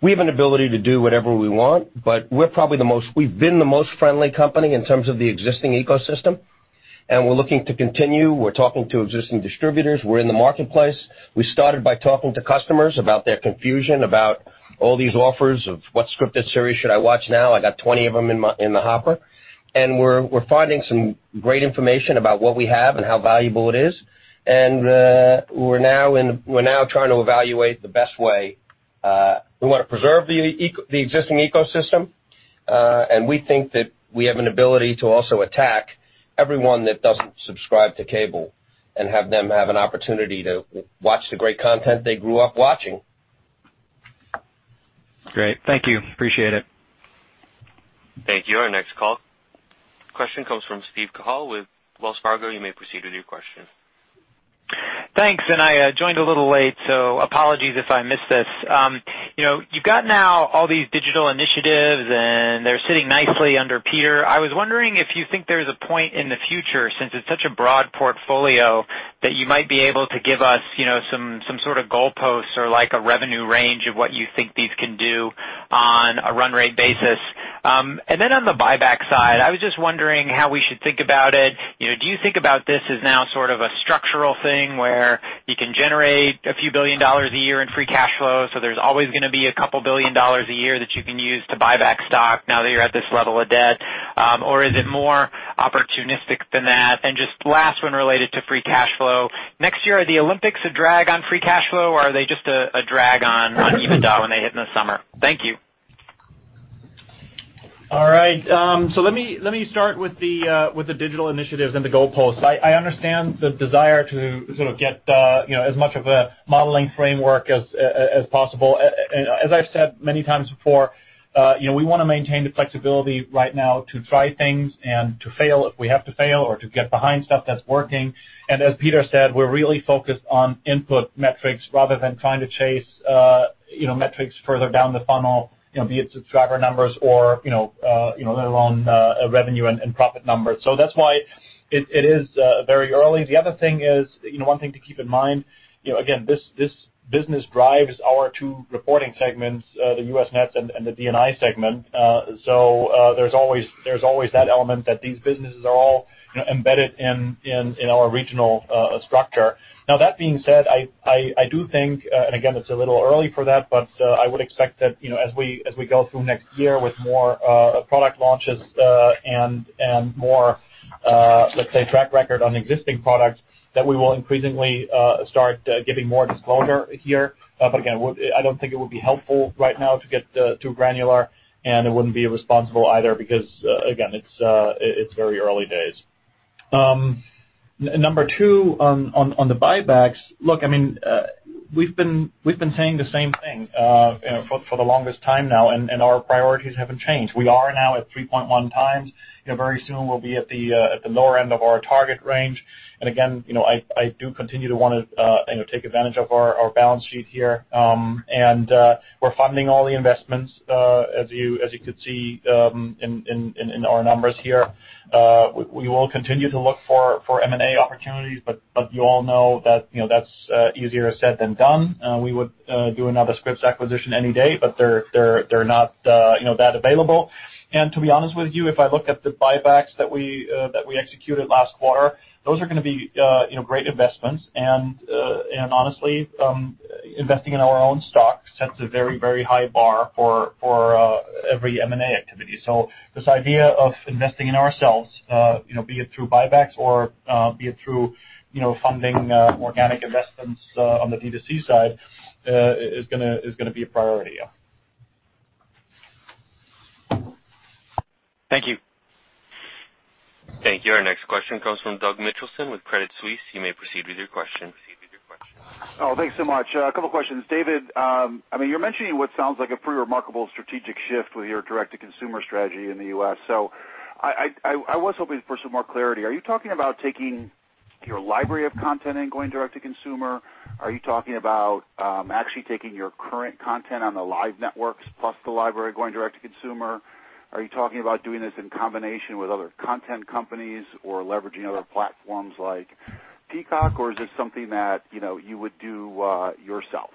We have an ability to do whatever we want, but we've been the most friendly company in terms of the existing ecosystem, and we're looking to continue. We're talking to existing distributors. We're in the marketplace. We started by talking to customers about their confusion about all these offers of what scripted series should I watch now. I got 20 of them in the hopper. We're finding some great information about what we have and how valuable it is. We're now trying to evaluate the best way. We want to preserve the existing ecosystem, and we think that we have an ability to also attack everyone that doesn't subscribe to cable and have them have an opportunity to watch the great content they grew up watching. Great. Thank you. Appreciate it. Thank you. Our next call. Question comes from Steve Cahall with Wells Fargo. You may proceed with your question. Thanks. I joined a little late, apologies if I missed this. You've got now all these digital initiatives, and they're sitting nicely under Peter. I was wondering if you think there's a point in the future, since it's such a broad portfolio, that you might be able to give us some sort of goalposts or a revenue range of what you think these can do on a run rate basis. On the buyback side, I was just wondering how we should think about it. Do you think about this as now sort of a structural thing where you can generate a few billion dollars a year in free cash flow, so there's always going to be a couple billion dollars a year that you can use to buy back stock now that you're at this level of debt? Is it more opportunistic than that? Just last one related to free cash flow. Next year, are the Olympics a drag on free cash flow, or are they just a drag on EBITDA when they hit in the summer? Thank you. All right. Let me start with the digital initiatives and the goalposts. I understand the desire to sort of get as much of a modeling framework as possible. As I've said many times before, we want to maintain the flexibility right now to try things and to fail if we have to fail or to get behind stuff that's working. As Peter said, we're really focused on input metrics rather than trying to chase metrics further down the funnel, be it subscriber numbers or let alone revenue and profit numbers. That's why-It is very early. The other thing is, one thing to keep in mind, again, this business drives our two reporting segments, the U.S. Networks and the DNI segment. There's always that element that these businesses are all embedded in our regional structure. That being said, I do think, and again, it's a little early for that, but I would expect that as we go through next year with more product launches and more, let's say, track record on existing products, that we will increasingly start giving more disclosure here. Again, I don't think it would be helpful right now to get too granular, and it wouldn't be responsible either because, again, it's very early days. Number two, on the buybacks, look, we've been saying the same thing for the longest time now, and our priorities haven't changed. We are now at 3.1x. Very soon we'll be at the lower end of our target range. Again, I do continue to want to take advantage of our balance sheet here. We're funding all the investments, as you could see in our numbers here. We will continue to look for M&A opportunities, but you all know that's easier said than done. We would do another Scripps acquisition any day, but they're not that available. To be honest with you, if I look at the buybacks that we executed last quarter, those are going to be great investments. Honestly, investing in our own stock sets a very high bar for every M&A activity. This idea of investing in ourselves, be it through buybacks or be it through funding organic investments on the D2C side, is going to be a priority, yeah. Thank you. Thank you. Our next question comes from Doug Mitchelson with Credit Suisse. You may proceed with your question. Oh, thanks so much. A couple questions. David, you're mentioning what sounds like a pretty remarkable strategic shift with your direct-to-consumer strategy in the U.S. I was hoping for some more clarity. Are you talking about taking your library of content and going direct-to-consumer? Are you talking about actually taking your current content on the live networks plus the library going direct-to-consumer? Are you talking about doing this in combination with other content companies or leveraging other platforms like Peacock? Is this something that you would do yourself?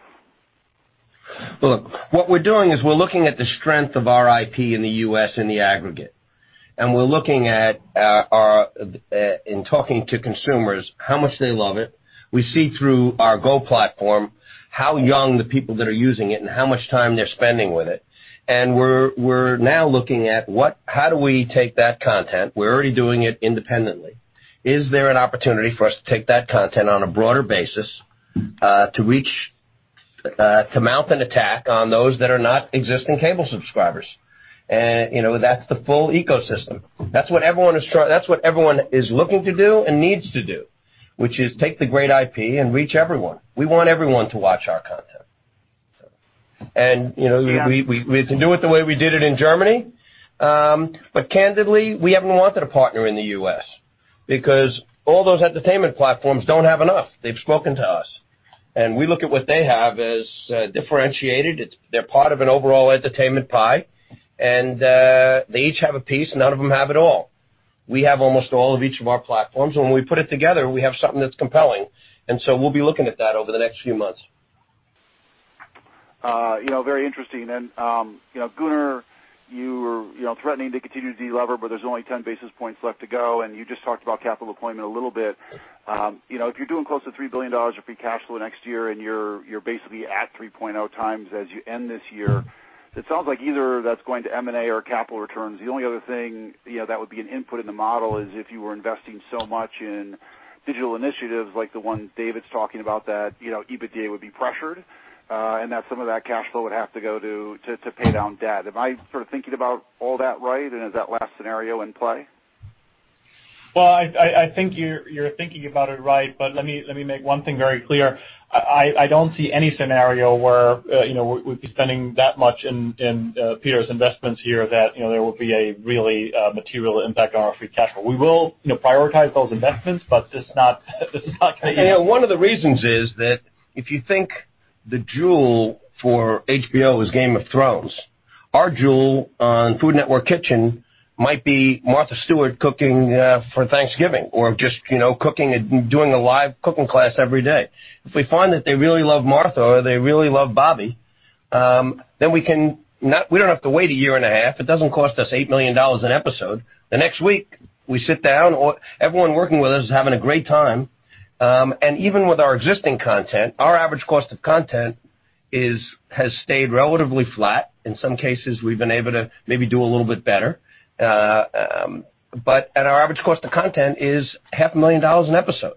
Look, what we're doing is we're looking at the strength of our IP in the U.S. in the aggregate. We're looking at our, in talking to consumers, how much they love it. We see through our GO platform how young the people that are using it and how much time they're spending with it. We're now looking at how do we take that content, we're already doing it independently. Is there an opportunity for us to take that content on a broader basis to mount an attack on those that are not existing cable subscribers? That's the full ecosystem. That's what everyone is looking to do and needs to do, which is take the great IP and reach everyone. We want everyone to watch our content. We can do it the way we did it in Germany. Candidly, we haven't wanted a partner in the U.S. because all those entertainment platforms don't have enough. They've spoken to us. We look at what they have as differentiated. They're part of an overall entertainment pie, and they each have a piece. None of them have it all. We have almost all of each of our platforms, and when we put it together, we have something that's compelling. We'll be looking at that over the next few months. Very interesting. Gunnar, you were threatening to continue to de-lever, but there's only 10 basis points left to go, and you just talked about capital deployment a little bit. If you're doing close to $3 billion of free cash flow next year and you're basically at 3.0x as you end this year, it sounds like either that's going to M&A or capital returns. The only other thing that would be an input in the model is if you were investing so much in digital initiatives like the one David's talking about, that EBITDA would be pressured and that some of that cash flow would have to go to pay down debt. Am I sort of thinking about all that right, and is that last scenario in play? Well, I think you're thinking about it right, but let me make one thing very clear. I don't see any scenario where we'd be spending that much in Peter's investments here that there will be a really material impact on our free cash flow. We will prioritize those investments, but this is not going to be. One of the reasons is that if you think the jewel for HBO is "Game of Thrones," our jewel on Food Network Kitchen might be Martha Stewart cooking for Thanksgiving or just cooking and doing a live cooking class every day. If we find that they really love Martha or they really love Bobby, we don't have to wait a year and a half. It doesn't cost us $8 million an episode. The next week, we sit down, everyone working with us is having a great time. Even with our existing content, our average cost of content has stayed relatively flat. In some cases, we've been able to maybe do a little bit better. At our average cost of content is $500,000 an episode.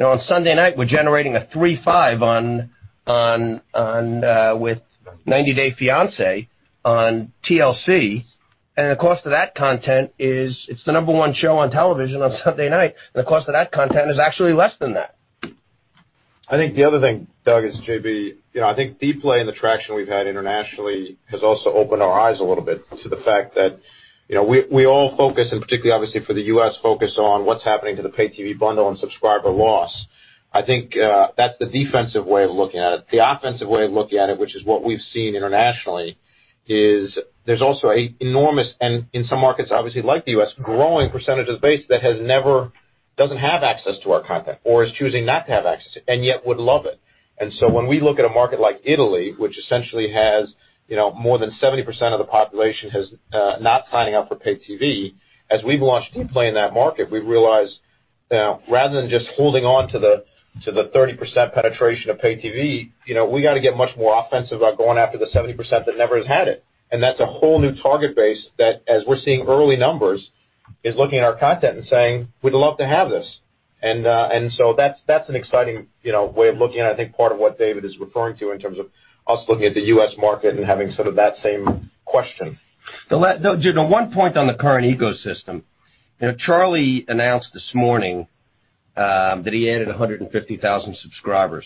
On Sunday night, we're generating a 3.5 with "90 Day Fiancé" on TLC, and the cost of that content, it's the number one show on television on Sunday night, and the cost of that content is actually less than that. I think the other thing, Doug, it's J.B. I think Dplay and the traction we've had internationally has also opened our eyes a little bit to the fact that we all focus, and particularly obviously for the U.S., focus on what's happening to the pay TV bundle and subscriber loss. I think that's the defensive way of looking at it. The offensive way of looking at it, which is what we've seen internationally, is there's also a enormous, and in some markets, obviously like the U.S., growing percentages base that doesn't have access to our content or is choosing not to have access to it and yet would love it. When we look at a market like Italy, which essentially has more than 70% of the population has, not signing up for pay TV, as we've launched Dplay in that market, we've realized now, rather than just holding on to the 30% penetration of pay TV. We got to get much more offensive about going after the 70% that never has had it. That's a whole new target base that, as we're seeing early numbers, is looking at our content and saying, "We'd love to have this." That's an exciting way of looking at, I think, part of what David is referring to in terms of us looking at the U.S. market and having sort of that same question. The one point on the current ecosystem. Charlie announced this morning, that he added 150,000 subscribers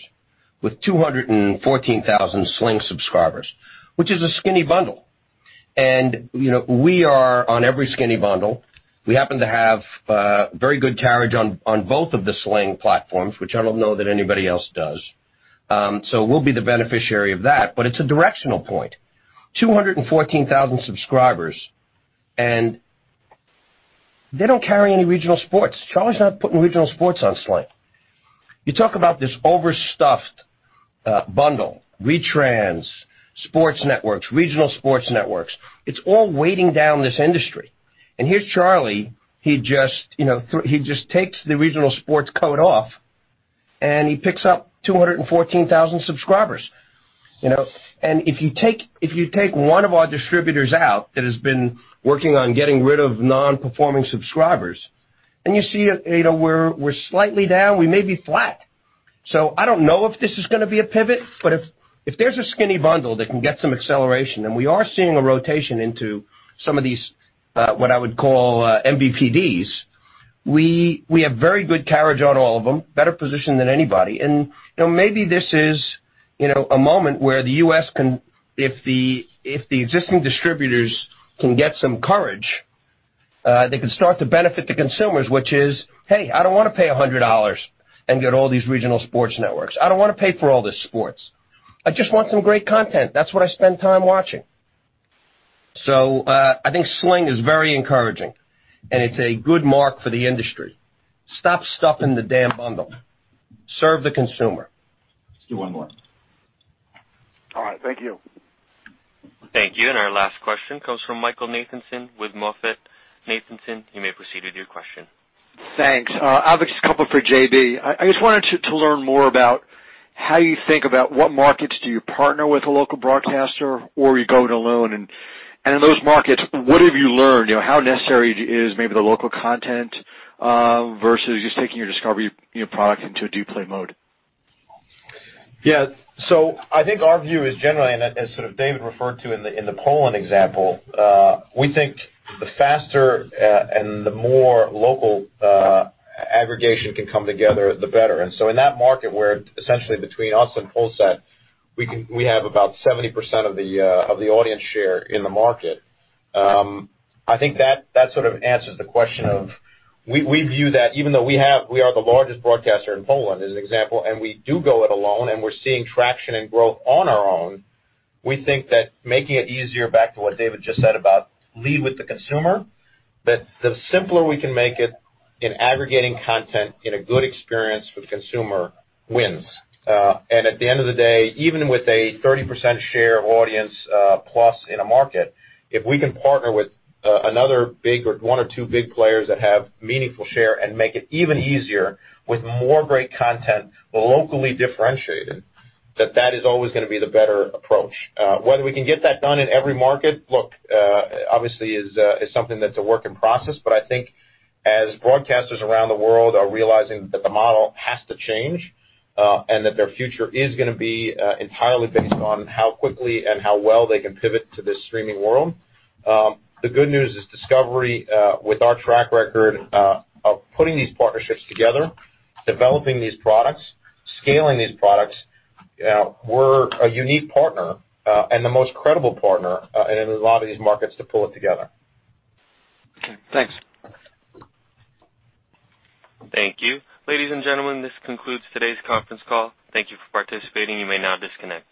with 214,000 Sling subscribers, which is a skinny bundle. We are on every skinny bundle. We happen to have very good carriage on both of the Sling platforms, which I don't know that anybody else does. We'll be the beneficiary of that, but it's a directional point. 214,000 subscribers, they don't carry any regional sports. Charlie's not putting regional sports on Sling. You talk about this overstuffed bundle, retrans, sports networks, regional sports networks. It's all weighing down this industry. Here's Charlie, he just takes the regional sports cost off, and he picks up 214,000 subscribers. If you take one of our distributors out that has been working on getting rid of non-performing subscribers, and you see we're slightly down, we may be flat. I don't know if this is going to be a pivot, but if there's a skinny bundle that can get some acceleration, we are seeing a rotation into some of these, what I would call MVPDs, we have very good carriage on all of them, better position than anybody. Maybe this is a moment where the U.S. if the existing distributors can get some courage, they can start to benefit the consumers, which is, hey, I don't want to pay $100 and get all these regional sports networks. I don't want to pay for all this sports. I just want some great content. That's what I spend time watching. I think Sling is very encouraging, and it's a good mark for the industry. Stop stuffing the damn bundle. Serve the consumer. Let's do one more. All right. Thank you. Thank you. Our last question comes from Michael Nathanson with MoffettNathanson. You may proceed with your question. Thanks. I have just a couple for J.B. I just wanted to learn more about how you think about what markets do you partner with a local broadcaster or are you going it alone? In those markets, what have you learned? How necessary is maybe the local content, versus just taking your Discovery product into a Dplay mode? I think our view is generally, and as David referred to in the Poland example, we think the faster and the more local aggregation can come together, the better. In that market where essentially between us and Polsat, we have about 70% of the audience share in the market. I think that sort of answers the question of We view that even though we are the largest broadcaster in Poland, as an example, and we do go it alone, and we're seeing traction and growth on our own, we think that making it easier, back to what David just said about lead with the consumer, that the simpler we can make it in aggregating content in a good experience for the consumer wins. At the end of the day, even with a 30% share of audience plus in a market, if we can partner with another big or one or two big players that have meaningful share and make it even easier with more great content, locally differentiated, that that is always going to be the better approach. Whether we can get that done in every market, look, obviously is something that's a work in process, but I think as broadcasters around the world are realizing that the model has to change, and that their future is going to be entirely based on how quickly and how well they can pivot to this streaming world. The good news is Discovery, with our track record, of putting these partnerships together, developing these products, scaling these products, we're a unique partner, and the most credible partner in a lot of these markets to pull it together. Okay. Thanks. Thank you. Ladies and gentlemen, this concludes today's conference call. Thank you for participating. You may now disconnect.